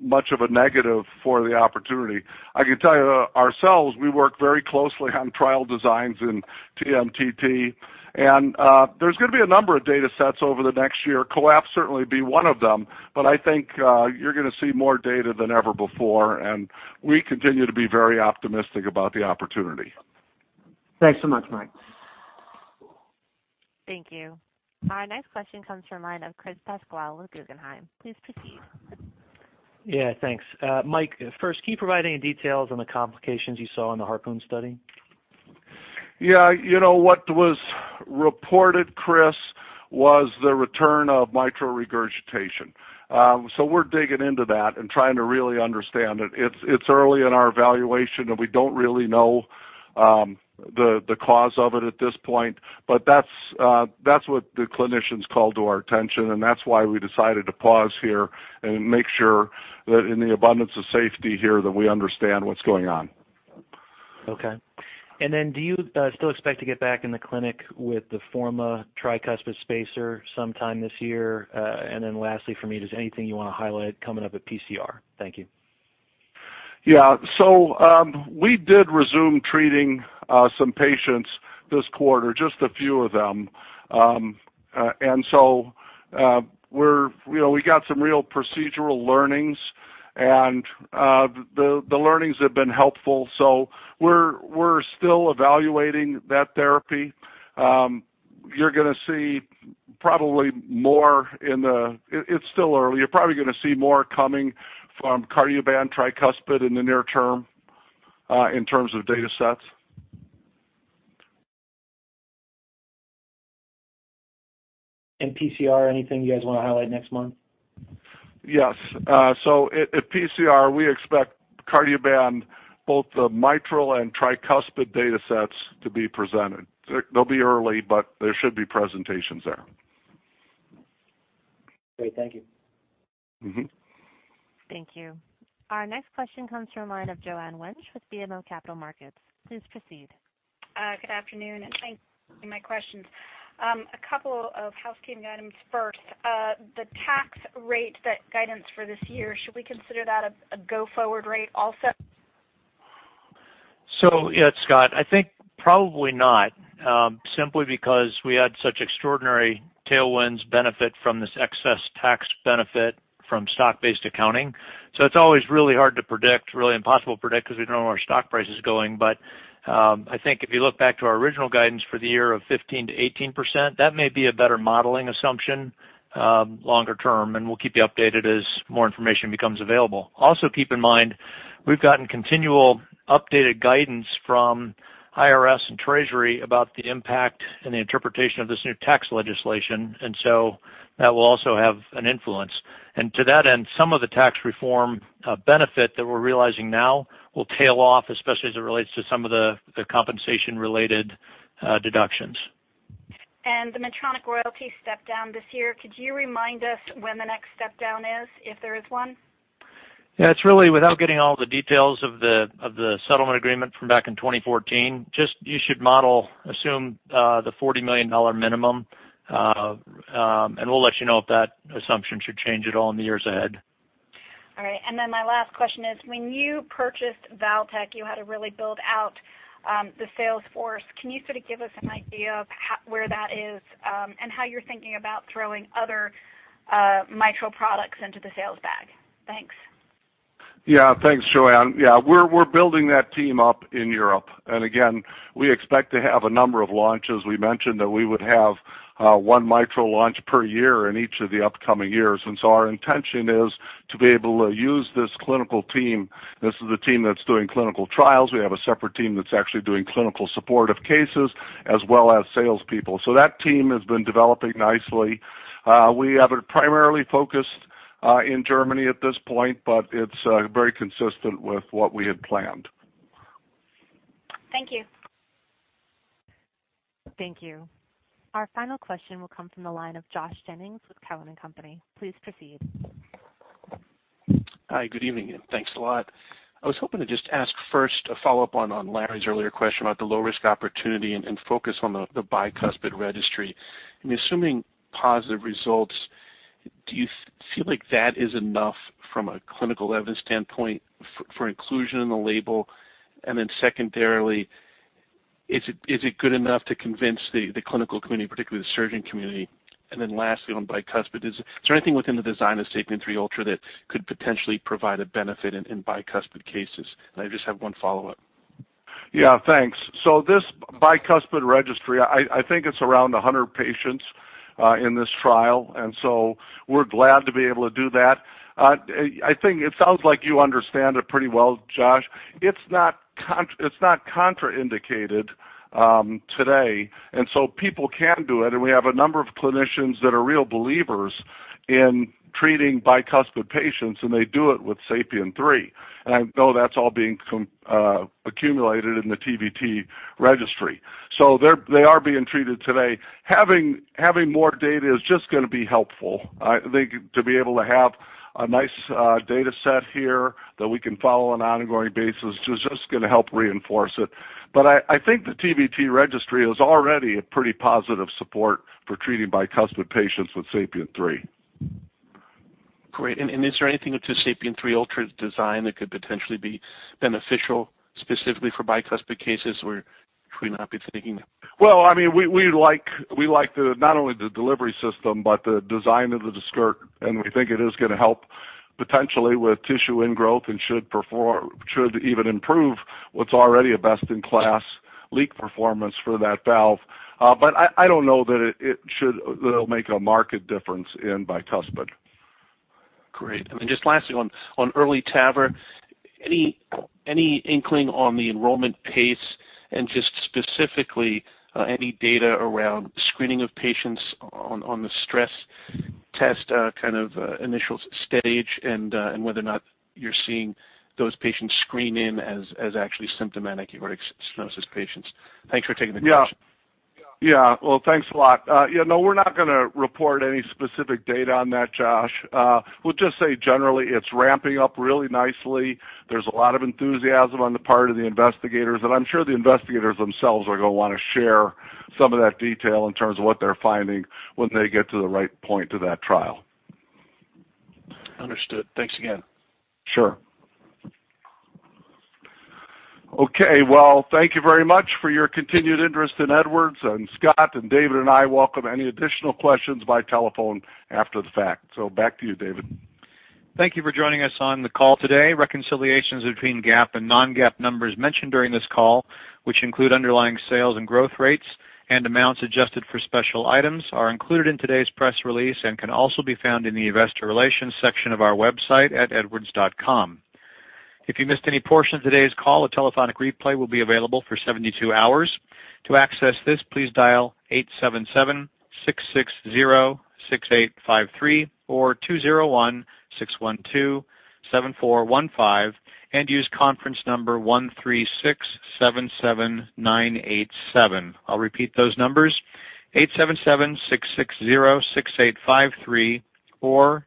much of a negative for the opportunity. I can tell you, ourselves, we work very closely on trial designs in TMTT, there's going to be a number of data sets over the next year. COAPT will certainly be one of them. I think you're going to see more data than ever before, and we continue to be very optimistic about the opportunity. Thanks so much, Mike. Thank you. Our next question comes from the line of Chris Pasquale with Guggenheim. Please proceed. Yeah, thanks. Mike, first, can you provide any details on the complications you saw in the HARPOON study? Yeah. What was reported, Chris, was the return of mitral regurgitation. We're digging into that and trying to really understand it. It's early in our evaluation, and we don't really know the cause of it at this point. That's what the clinicians called to our attention, and that's why we decided to pause here and make sure that in the abundance of safety here, that we understand what's going on. Okay. Do you still expect to get back in the clinic with the Forma tricuspid spacer sometime this year? Lastly for me, is there anything you want to highlight coming up at PCR? Thank you. Yeah. We did resume treating some patients this quarter, just a few of them. We got some real procedural learnings, and the learnings have been helpful. We're still evaluating that therapy. It's still early. You're probably going to see more coming from Cardioband tricuspid in the near term, in terms of data sets. PCR, anything you guys want to highlight next month? Yes. At PCR, we expect Cardioband, both the mitral and tricuspid data sets to be presented. They'll be early, but there should be presentations there. Great. Thank you. Thank you. Our next question comes from a line of Joanne Wuensch with BMO Capital Markets. Please proceed. Good afternoon, and thanks for my questions. A couple of housekeeping items first. The tax rate, that guidance for this year, should we consider that a go-forward rate also? Yeah, Scott, I think probably not. Simply because we had such extraordinary tailwinds benefit from this excess tax benefit from stock-based accounting. It's always really hard to predict, really impossible to predict, because we don't know where our stock price is going. I think if you look back to our original guidance for the year of 15%-18%, that may be a better modeling assumption longer term, and we'll keep you updated as more information becomes available. Also, keep in mind, we've gotten continual updated guidance from IRS and Treasury about the impact and the interpretation of this new tax legislation, that will also have an influence. To that end, some of the tax reform benefit that we're realizing now will tail off, especially as it relates to some of the compensation-related deductions. The Medtronic royalty step-down this year, could you remind us when the next step-down is, if there is one? Yeah, it's really, without getting all the details of the settlement agreement from back in 2014, just you should model assume the $40 million minimum. We'll let you know if that assumption should change at all in the years ahead. My last question is, when you purchased Valtech, you had to really build out the sales force. Can you sort of give us an idea of where that is and how you're thinking about throwing other mitral products into the sales bag? Thanks. Thanks, Joanne. We're building that team up in Europe. Again, we expect to have a number of launches. We mentioned that we would have one mitral launch per year in each of the upcoming years. Our intention is to be able to use this clinical team. This is the team that's doing clinical trials. We have a separate team that's actually doing clinical supportive cases as well as salespeople. That team has been developing nicely. We have it primarily focused in Germany at this point, but it's very consistent with what we had planned. Thank you. Thank you. Our final question will come from the line of Josh Jennings with Cowen and Company. Please proceed. Hi, good evening, thanks a lot. I was hoping to just ask first a follow-up on Larry's earlier question about the low-risk opportunity and focus on the bicuspid registry. I mean, assuming positive results, do you feel like that is enough from a clinical evidence standpoint for inclusion in the label? Secondarily, is it good enough to convince the clinical community, particularly the surgeon community? Lastly on bicuspid, is there anything within the design of SAPIEN 3 Ultra that could potentially provide a benefit in bicuspid cases? I just have one follow-up. Yeah, thanks. This bicuspid registry, I think it's around 100 patients in this trial. We're glad to be able to do that. I think it sounds like you understand it pretty well, Josh. It's not contraindicated today, people can do it. We have a number of clinicians that are real believers in treating bicuspid patients, and they do it with SAPIEN 3. I know that's all being accumulated in the TVT Registry. They are being treated today. Having more data is just going to be helpful. I think to be able to have a nice data set here that we can follow on an ongoing basis is just going to help reinforce it. I think the TVT Registry is already a pretty positive support for treating bicuspid patients with SAPIEN 3. Great. Is there anything to SAPIEN 3 Ultra design that could potentially be beneficial specifically for bicuspid cases, or should we not be thinking that? Well, we like not only the delivery system but the design of the skirt, and we think it is going to help potentially with tissue ingrowth and should even improve what's already a best-in-class leak performance for that valve. I don't know that it'll make a marked difference in bicuspid. Great. Just lastly, on EARLY TAVR, any inkling on the enrollment pace and just specifically any data around screening of patients on the stress test, kind of initial stage and whether or not you're seeing those patients screen in as actually symptomatic aortic stenosis patients. Thanks for taking the question. Yeah. Well, thanks a lot. We're not going to report any specific data on that, Josh. We'll just say generally it's ramping up really nicely. There's a lot of enthusiasm on the part of the investigators, I'm sure the investigators themselves are going to want to share some of that detail in terms of what they're finding when they get to the right point of that trial. Understood. Thanks again. Sure. Okay, well, thank you very much for your continued interest in Edwards, Scott and David and I welcome any additional questions by telephone after the fact. Back to you, David. Thank you for joining us on the call today. Reconciliations between GAAP and non-GAAP numbers mentioned during this call, which include underlying sales and growth rates and amounts adjusted for special items, are included in today's press release and can also be found in the investor relations section of our website at edwards.com. If you missed any portion of today's call, a telephonic replay will be available for 72 hours. To access this, please dial 877-660-6853 or 201-612-7415 and use conference number 13677987. I'll repeat those numbers, 877-660-6853 or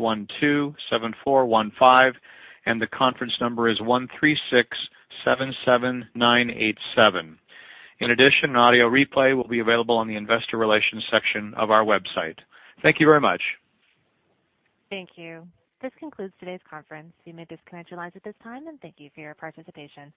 201-612-7415, and the conference number is 13677987. In addition, an audio replay will be available on the investor relations section of our website. Thank you very much. Thank you. This concludes today's conference. You may disconnect your lines at this time, and thank you for your participation.